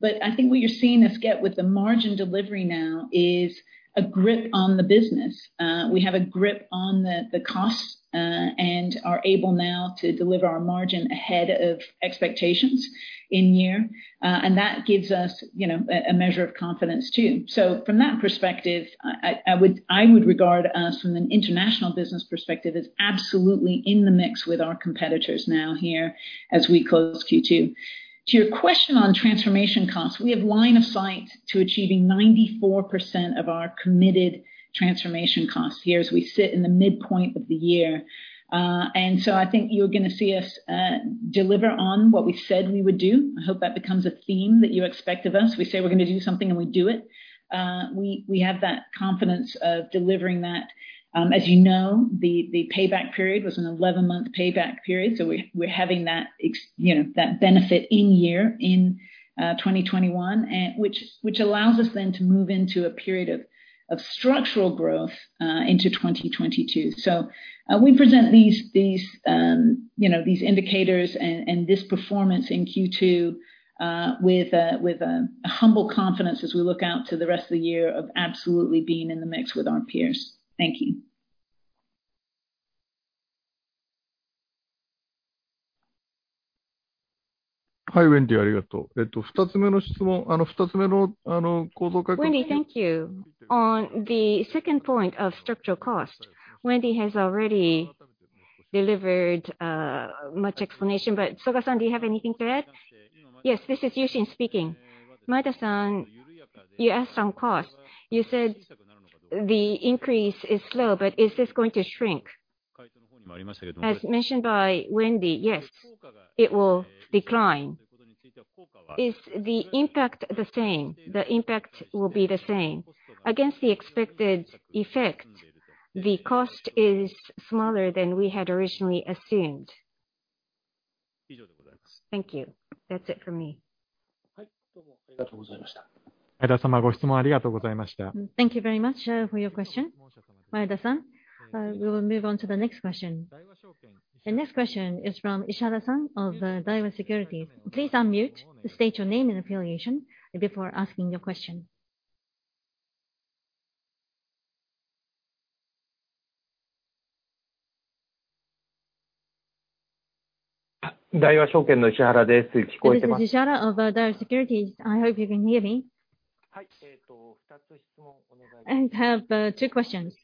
I think what you're seeing us get with the margin delivery now is a grip on the business. We have a grip on the costs, and are able now to deliver our margin ahead of expectations in year. That gives us a measure of confidence too. From that perspective, I would regard us from an international business perspective as absolutely in the mix with our competitors now here as we close Q2. To your question on transformation costs, we have line of sight to achieving 94% of our committed transformation costs here as we sit in the midpoint of the year. I think you're going to see us deliver on what we said we would do. I hope that becomes a theme that you expect of us. We say we're going to do something, and we do it. We have that confidence of delivering that. As you know, the payback period was an 11-month payback period, we're having that benefit in year in 2021. Which allows us then to move into a period of structural growth into 2022. We present these indicators and this performance in Q2, with a humble confidence as we look out to the rest of the year of absolutely being in the mix with our peers. Thank you. Wendy, thank you. On the second point of structural cost, Wendy has already delivered much explanation, Soga-san, do you have anything to add? Yes, this is Yushin speaking. Maeda-san, you asked on cost. You said the increase is slow, is this going to shrink? As mentioned by Wendy, yes, it will decline. Is the impact the same? The impact will be the same. Against the expected effect, the cost is smaller than we had originally assumed. Thank you. That's it from me. Thank you very much for your question, Maeda-san. We will move on to the next question. The next question is from Ishihara-san of Daiwa Securities. Please unmute, state your name and affiliation before asking your question. This is Ishihara of Daiwa Securities. I hope you can hear me. I have two questions.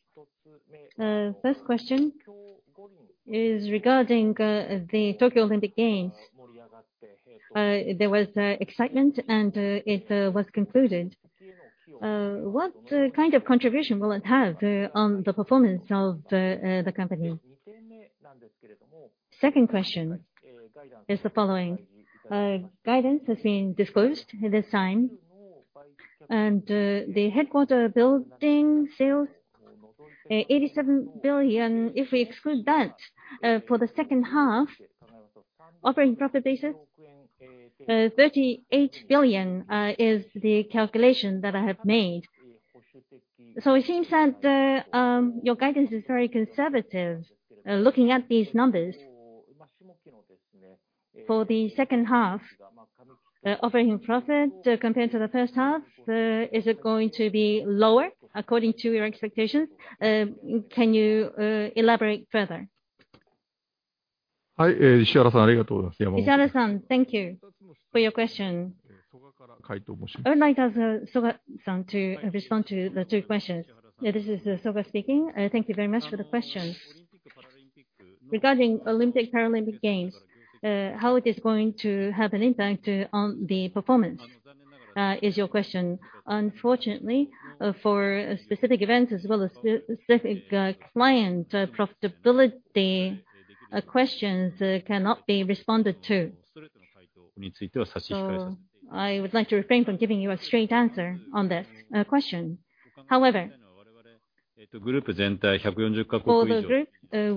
The first question is regarding the Tokyo Olympic Games. There was excitement, it was concluded. What kind of contribution will it have on the performance of the company? Second question is the following. Guidance has been disclosed at this time. The headquarter building sales, 87 billion. If we exclude that, for the second half, operating profit basis, 38 billion is the calculation that I have made. It seems that your guidance is very conservative looking at these numbers. For the second half, the operating profit compared to the first half, is it going to be lower according to your expectations? Can you elaborate further? Ishihara-san, thank you for your question. I would like Dr. Soga-san to respond to the two questions. Yeah, this is Soga speaking. Thank you very much for the question. Regarding Olympic Paralympic Games, how it is going to have an impact on the performance is your question. Unfortunately, for a specific event as well as specific client profitability, questions cannot be responded to. I would like to refrain from giving you a straight answer on that question. However, for the group,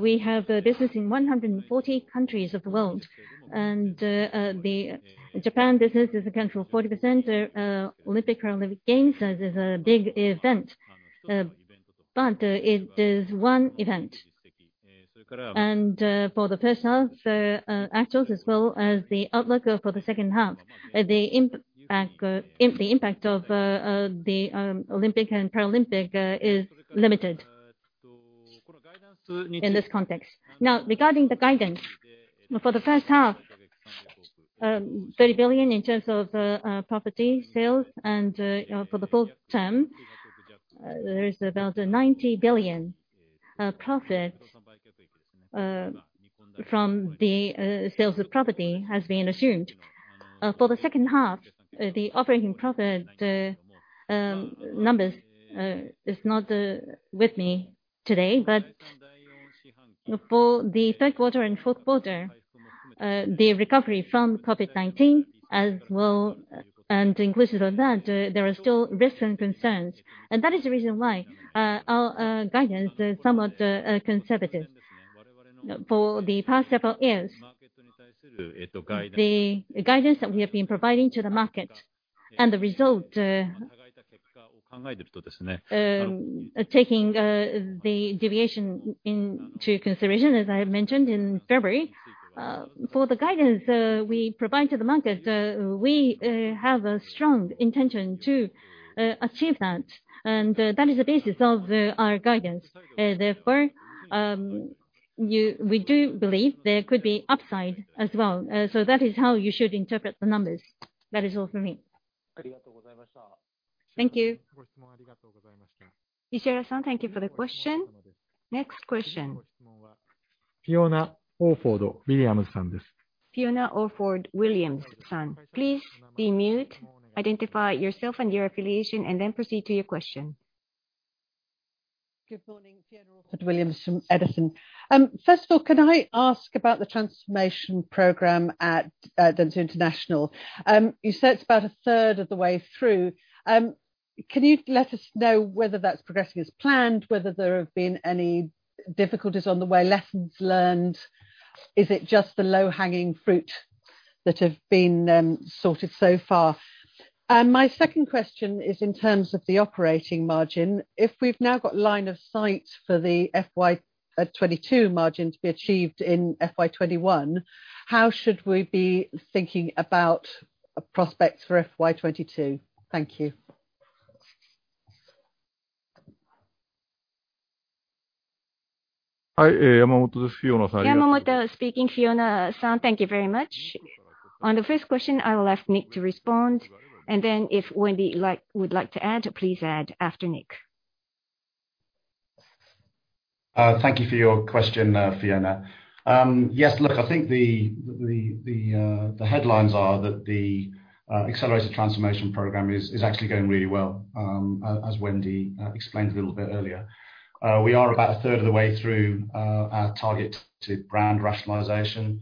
we have a business in 140 countries of the world. The Japan business accounts for 40%. Olympic Paralympic Games is a big event, but it is one event. For the first half actuals as well as the outlook for the second half, the impact of the Olympic and Paralympic is limited in this context. Regarding the guidance. For the first half, 30 billion in terms of property sales and for the full term, there is about JPY 90 billion profit from the sales of property has been assumed. For the second half, the operating profit numbers is not with me today, but For the third quarter and fourth quarter, the recovery from COVID-19, inclusive of that, there are still risks and concerns. That is the reason why our guidance is somewhat conservative. For the past several years, the guidance that we have been providing to the market and the result, taking the deviation into consideration, as I mentioned in February, for the guidance we provide to the market, we have a strong intention to achieve that. That is the basis of our guidance. Therefore, we do believe there could be upside as well. That is how you should interpret the numbers. That is all from me. Thank you. Ishihara-san, thank you for the question. Next question. Fiona Orford-Williams-san. Fiona Orford-Williams-san, please de-mute, identify yourself and your affiliation, and then proceed to your question. Good morning. Fiona Orford-Williams from Edison. First of all, can I ask about the transformation program at Dentsu International? You said it's about a third of the way through. Can you let us know whether that's progressing as planned, whether there have been any difficulties on the way, lessons learned? Is it just the low-hanging fruit that have been sorted so far? My second question is in terms of the operating margin. If we've now got line of sight for the FY 2022 margin to be achieved in FY 2021, how should we be thinking about prospects for FY 2022? Thank you. Yamamoto speaking. Fiona-san, thank you very much. On the first question, I will ask Nick to respond, and then if Wendy would like to add, please add after Nick. Thank you for your question, Fiona. Yes, look, I think the headlines are that the Accelerated Transformation Program is actually going really well, as Wendy explained a little bit earlier. We are about a third of the way through our target to brand rationalization,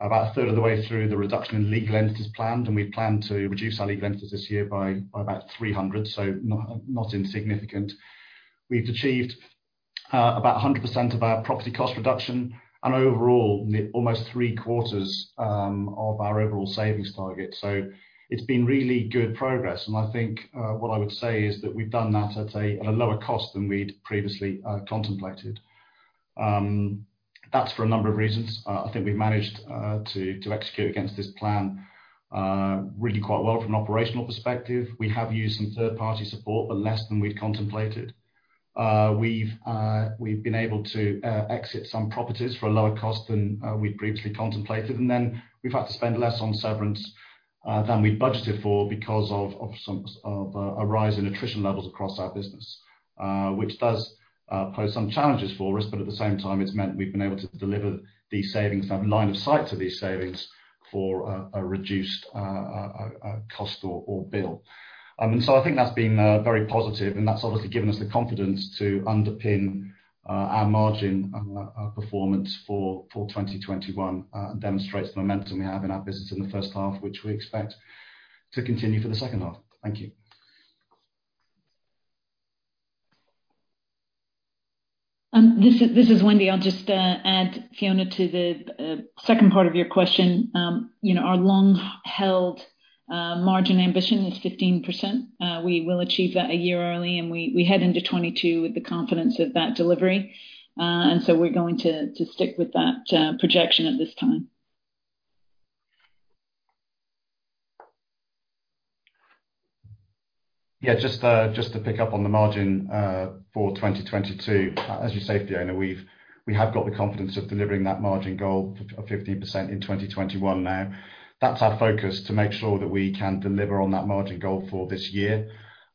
about a third of the way through the reduction in legal entities planned. We plan to reduce our legal entities this year by about 300, so not insignificant. We've achieved about 100% of our property cost reduction, and overall, almost three-quarters of our overall savings target. It's been really good progress. I think what I would say is that we've done that at a lower cost than we'd previously contemplated. That's for a number of reasons. I think we've managed to execute against this plan really quite well from an operational perspective. We have used some third-party support, but less than we'd contemplated. We've been able to exit some properties for a lower cost than we'd previously contemplated. We've had to spend less on severance than we budgeted for because of a rise in attrition levels across our business, which does pose some challenges for us. At the same time, it's meant we've been able to deliver these savings, have line of sight to these savings, for a reduced cost or bill. I think that's been very positive, and that's obviously given us the confidence to underpin our margin, our performance for 2021, demonstrates the momentum we have in our business in the first half, which we expect to continue for the second half. Thank you. This is Wendy. I'll just add, Fiona, to the second part of your question. Our long-held margin ambition is 15%. We will achieve that a year early. We head into 2022 with the confidence of that delivery. We're going to stick with that projection at this time. Yeah, just to pick up on the margin for 2022. As you say, Fiona, we have got the confidence of delivering that margin goal of 15% in 2021 now. That's our focus, to make sure that we can deliver on that margin goal for this year.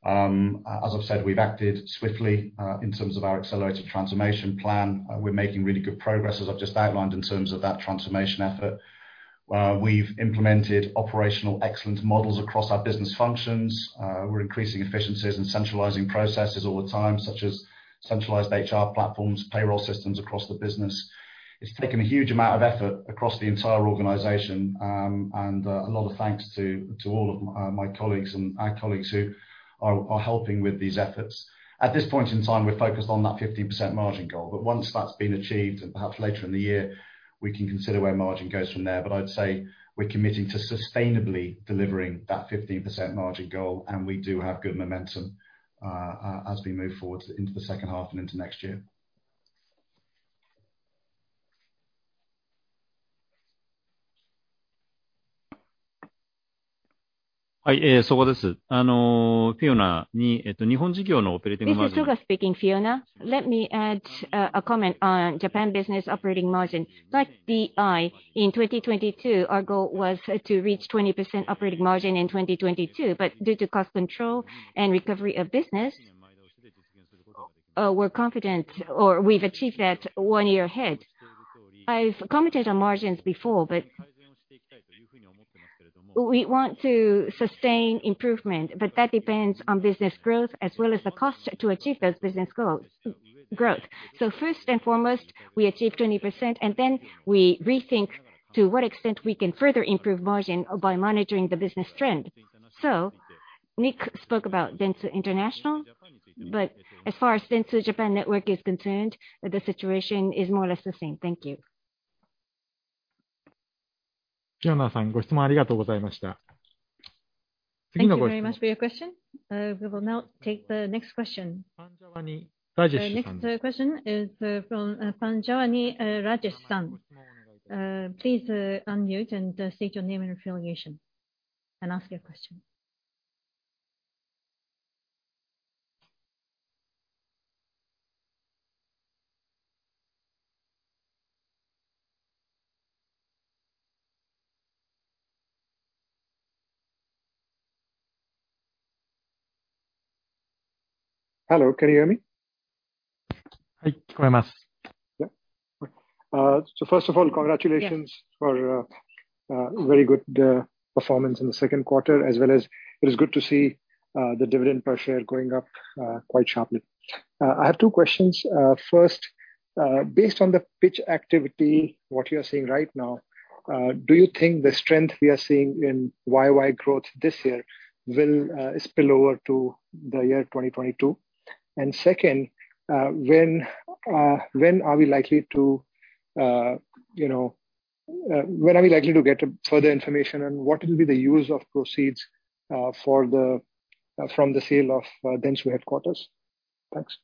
As I've said, we've acted swiftly in terms of our accelerated transformation plan. We're making really good progress, as I've just outlined, in terms of that transformation effort. We've implemented operational excellence models across our business functions. We're increasing efficiencies and centralizing processes all the time, such as centralized HR platforms, payroll systems across the business. It's taken a huge amount of effort across the entire organization, and a lot of thanks to all of my colleagues and our colleagues who are helping with these efforts. At this point in time, we're focused on that 15% margin goal. Once that's been achieved, and perhaps later in the year, we can consider where margin goes from there. I'd say we're committing to sustainably delivering that 15% margin goal, and we do have good momentum as we move forward into the second half and into next year. This is Soga speaking. Fiona, let me add a comment on Japan business operating margin. Like DI in 2022, our goal was to reach 20% operating margin in 2022. Due to cost control and recovery of business, we're confident, or we've achieved that one year ahead. I've commented on margins before. We want to sustain improvement, that depends on business growth as well as the cost to achieve those business growth. First and foremost, we achieve 20% and then we rethink to what extent we can further improve margin by monitoring the business trend. Nick spoke about Dentsu International, but as far as Dentsu Japan Network is concerned, the situation is more or less the same. Thank you. Thank you very much for your question. We will now take the next question. The next question is from Rajesh Panjwani-san. Please unmute and state your name and affiliation and ask your question. Hello, can you hear me? First of all, congratulations for very good performance in the second quarter, as well as it is good to see the dividend per share going up quite sharply. I have two questions. First, based on the pitch activity, what you're seeing right now, do you think the strength we are seeing in YY growth this year will spill over to the year 2022? Second, when are we likely to get further information and what will be the use of proceeds from the sale of Dentsu headquarters? Thanks.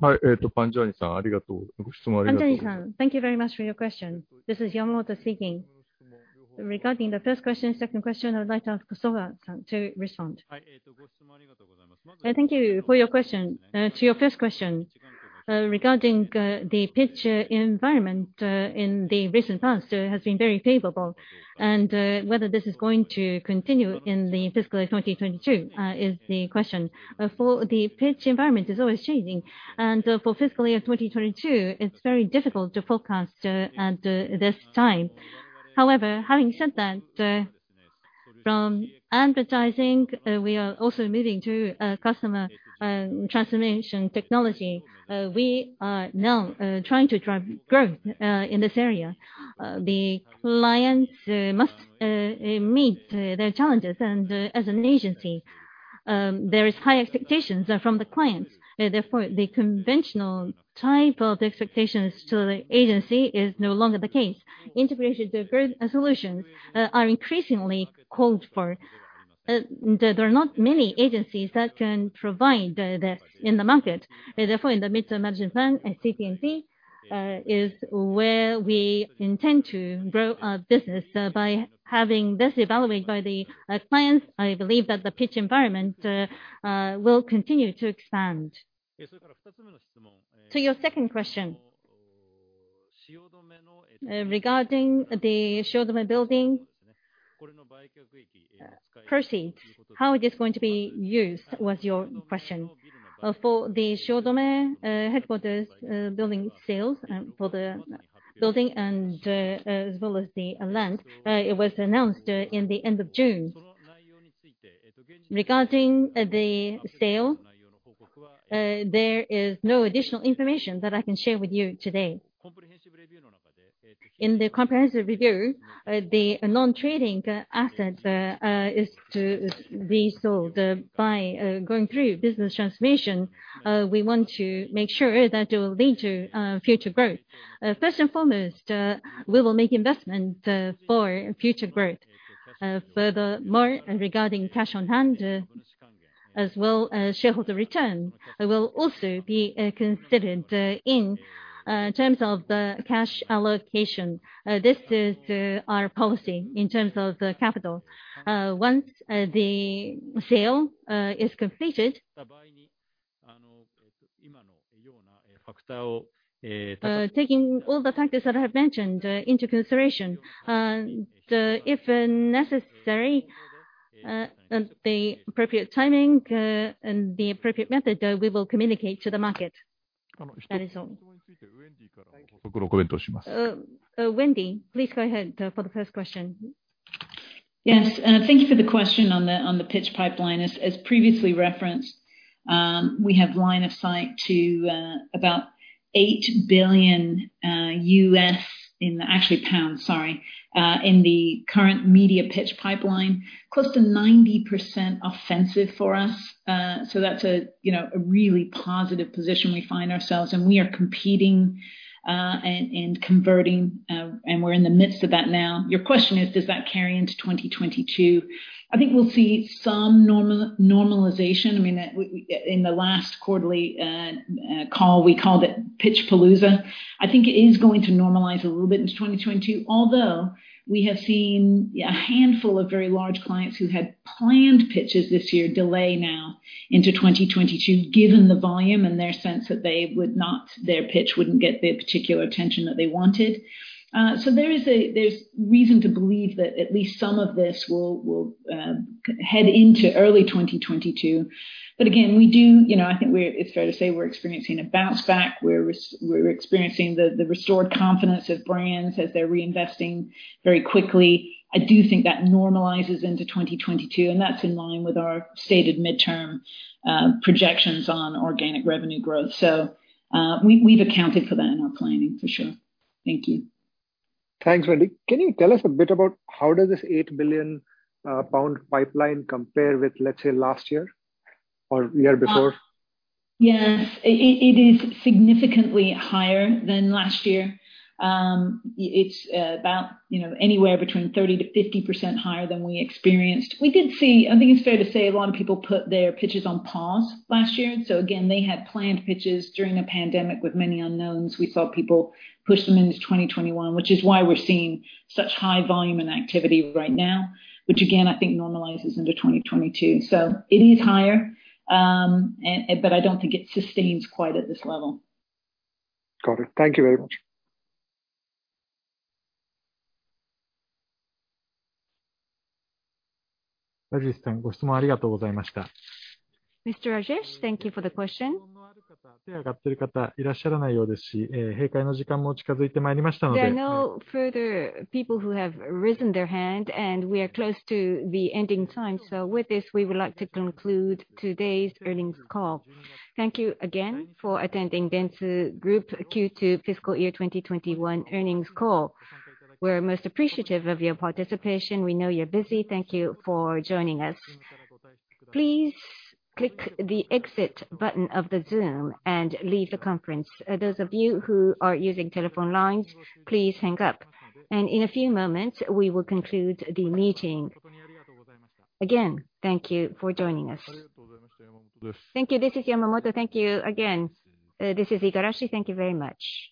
Panjwani-san, thank you very much for your question. This is Yamamoto speaking. Regarding the first question, second question, I would like to ask Soga-san to respond. Thank you for your question. To your first question, regarding the pitch environment in the recent past has been very favorable. Whether this is going to continue in the fiscal 2022 is the question. For the pitch environment, it's always changing. For FY 2022, it's very difficult to forecast at this time. However, having said that, from advertising, we are also moving to Customer Transformation & Technology. We are now trying to drive growth in this area. The clients must meet their challenges and as an agency there is high expectations from the clients. Therefore, the conventional type of expectations to the agency is no longer the case. Integration to solutions are increasingly called for. There are not many agencies that can provide this in the market. Therefore, in the mid-term management plan, CT&T is where we intend to grow our business by having this evaluated by the clients. I believe that the pitch environment will continue to expand. To your second question, regarding the Shiodome building proceed, how it is going to be used was your question. For the Shiodome headquarters building sales for the building and as well as the land it was announced in the end of June. Regarding the sale, there is no additional information that I can share with you today. In the comprehensive review, the non-trading asset is to be sold by going through business transformation. We want to make sure that it will lead to future growth. First and foremost, we will make investment for future growth. Furthermore, regarding cash on hand as well as shareholder return, will also be considered in terms of the cash allocation. This is our policy in terms of the capital. Once the sale is completed, taking all the factors that I have mentioned into consideration, if necessary, at the appropriate timing and the appropriate method, we will communicate to the market. That is all. Wendy, please go ahead for the first question. Yes. Thank you for the question on the pitch pipeline. As previously referenced, we have line of sight to about 8 billion in the current media pitch pipeline. Close to 90% offensive for us. That's a really positive position we find ourselves in. We are competing and converting, and we're in the midst of that now. Your question is, does that carry into 2022? I think we'll see some normalization. In the last quarterly call, we called it pitchpalooza. I think it is going to normalize a little bit into 2022, although we have seen a handful of very large clients who had planned pitches this year delay now into 2022, given the volume and their sense that their pitch wouldn't get the particular attention that they wanted. There's reason to believe that at least some of this will head into early 2022. Again, I think it's fair to say we're experiencing a bounce back. We're experiencing the restored confidence of brands as they're reinvesting very quickly. I do think that normalizes into 2022, and that's in line with our stated midterm projections on organic revenue growth. We've accounted for that in our planning for sure. Thank you. Thanks, Wendy. Can you tell us a bit about how does this 8 billion pound pipeline compare with, let's say, last year or the year before? Yes. It is significantly higher than last year. It's about anywhere between 30%-50% higher than we experienced. We did see, I think it's fair to say, a lot of people put their pitches on pause last year. Again, they had planned pitches during the pandemic with many unknowns. We saw people push them into 2021, which is why we're seeing such high volume and activity right now, which again, I think normalizes into 2022. It is higher, but I don't think it sustains quite at this level. Got it. Thank you very much. Mr. Rajesh, thank you for the question. There are no further people who have risen their hand, and we are close to the ending time. With this, we would like to conclude today's earnings call. Thank you again for attending Dentsu Group Q2 fiscal year 2021 earnings call. We're most appreciative of your participation. We know you're busy. Thank you for joining us. Please click the exit button of the Zoom and leave the conference. Those of you who are using telephone lines, please hang up and in a few moments, we will conclude the meeting. Again, thank you for joining us. Thank you. This is Yamamoto. Thank you again. This is Igarashi. Thank you very much.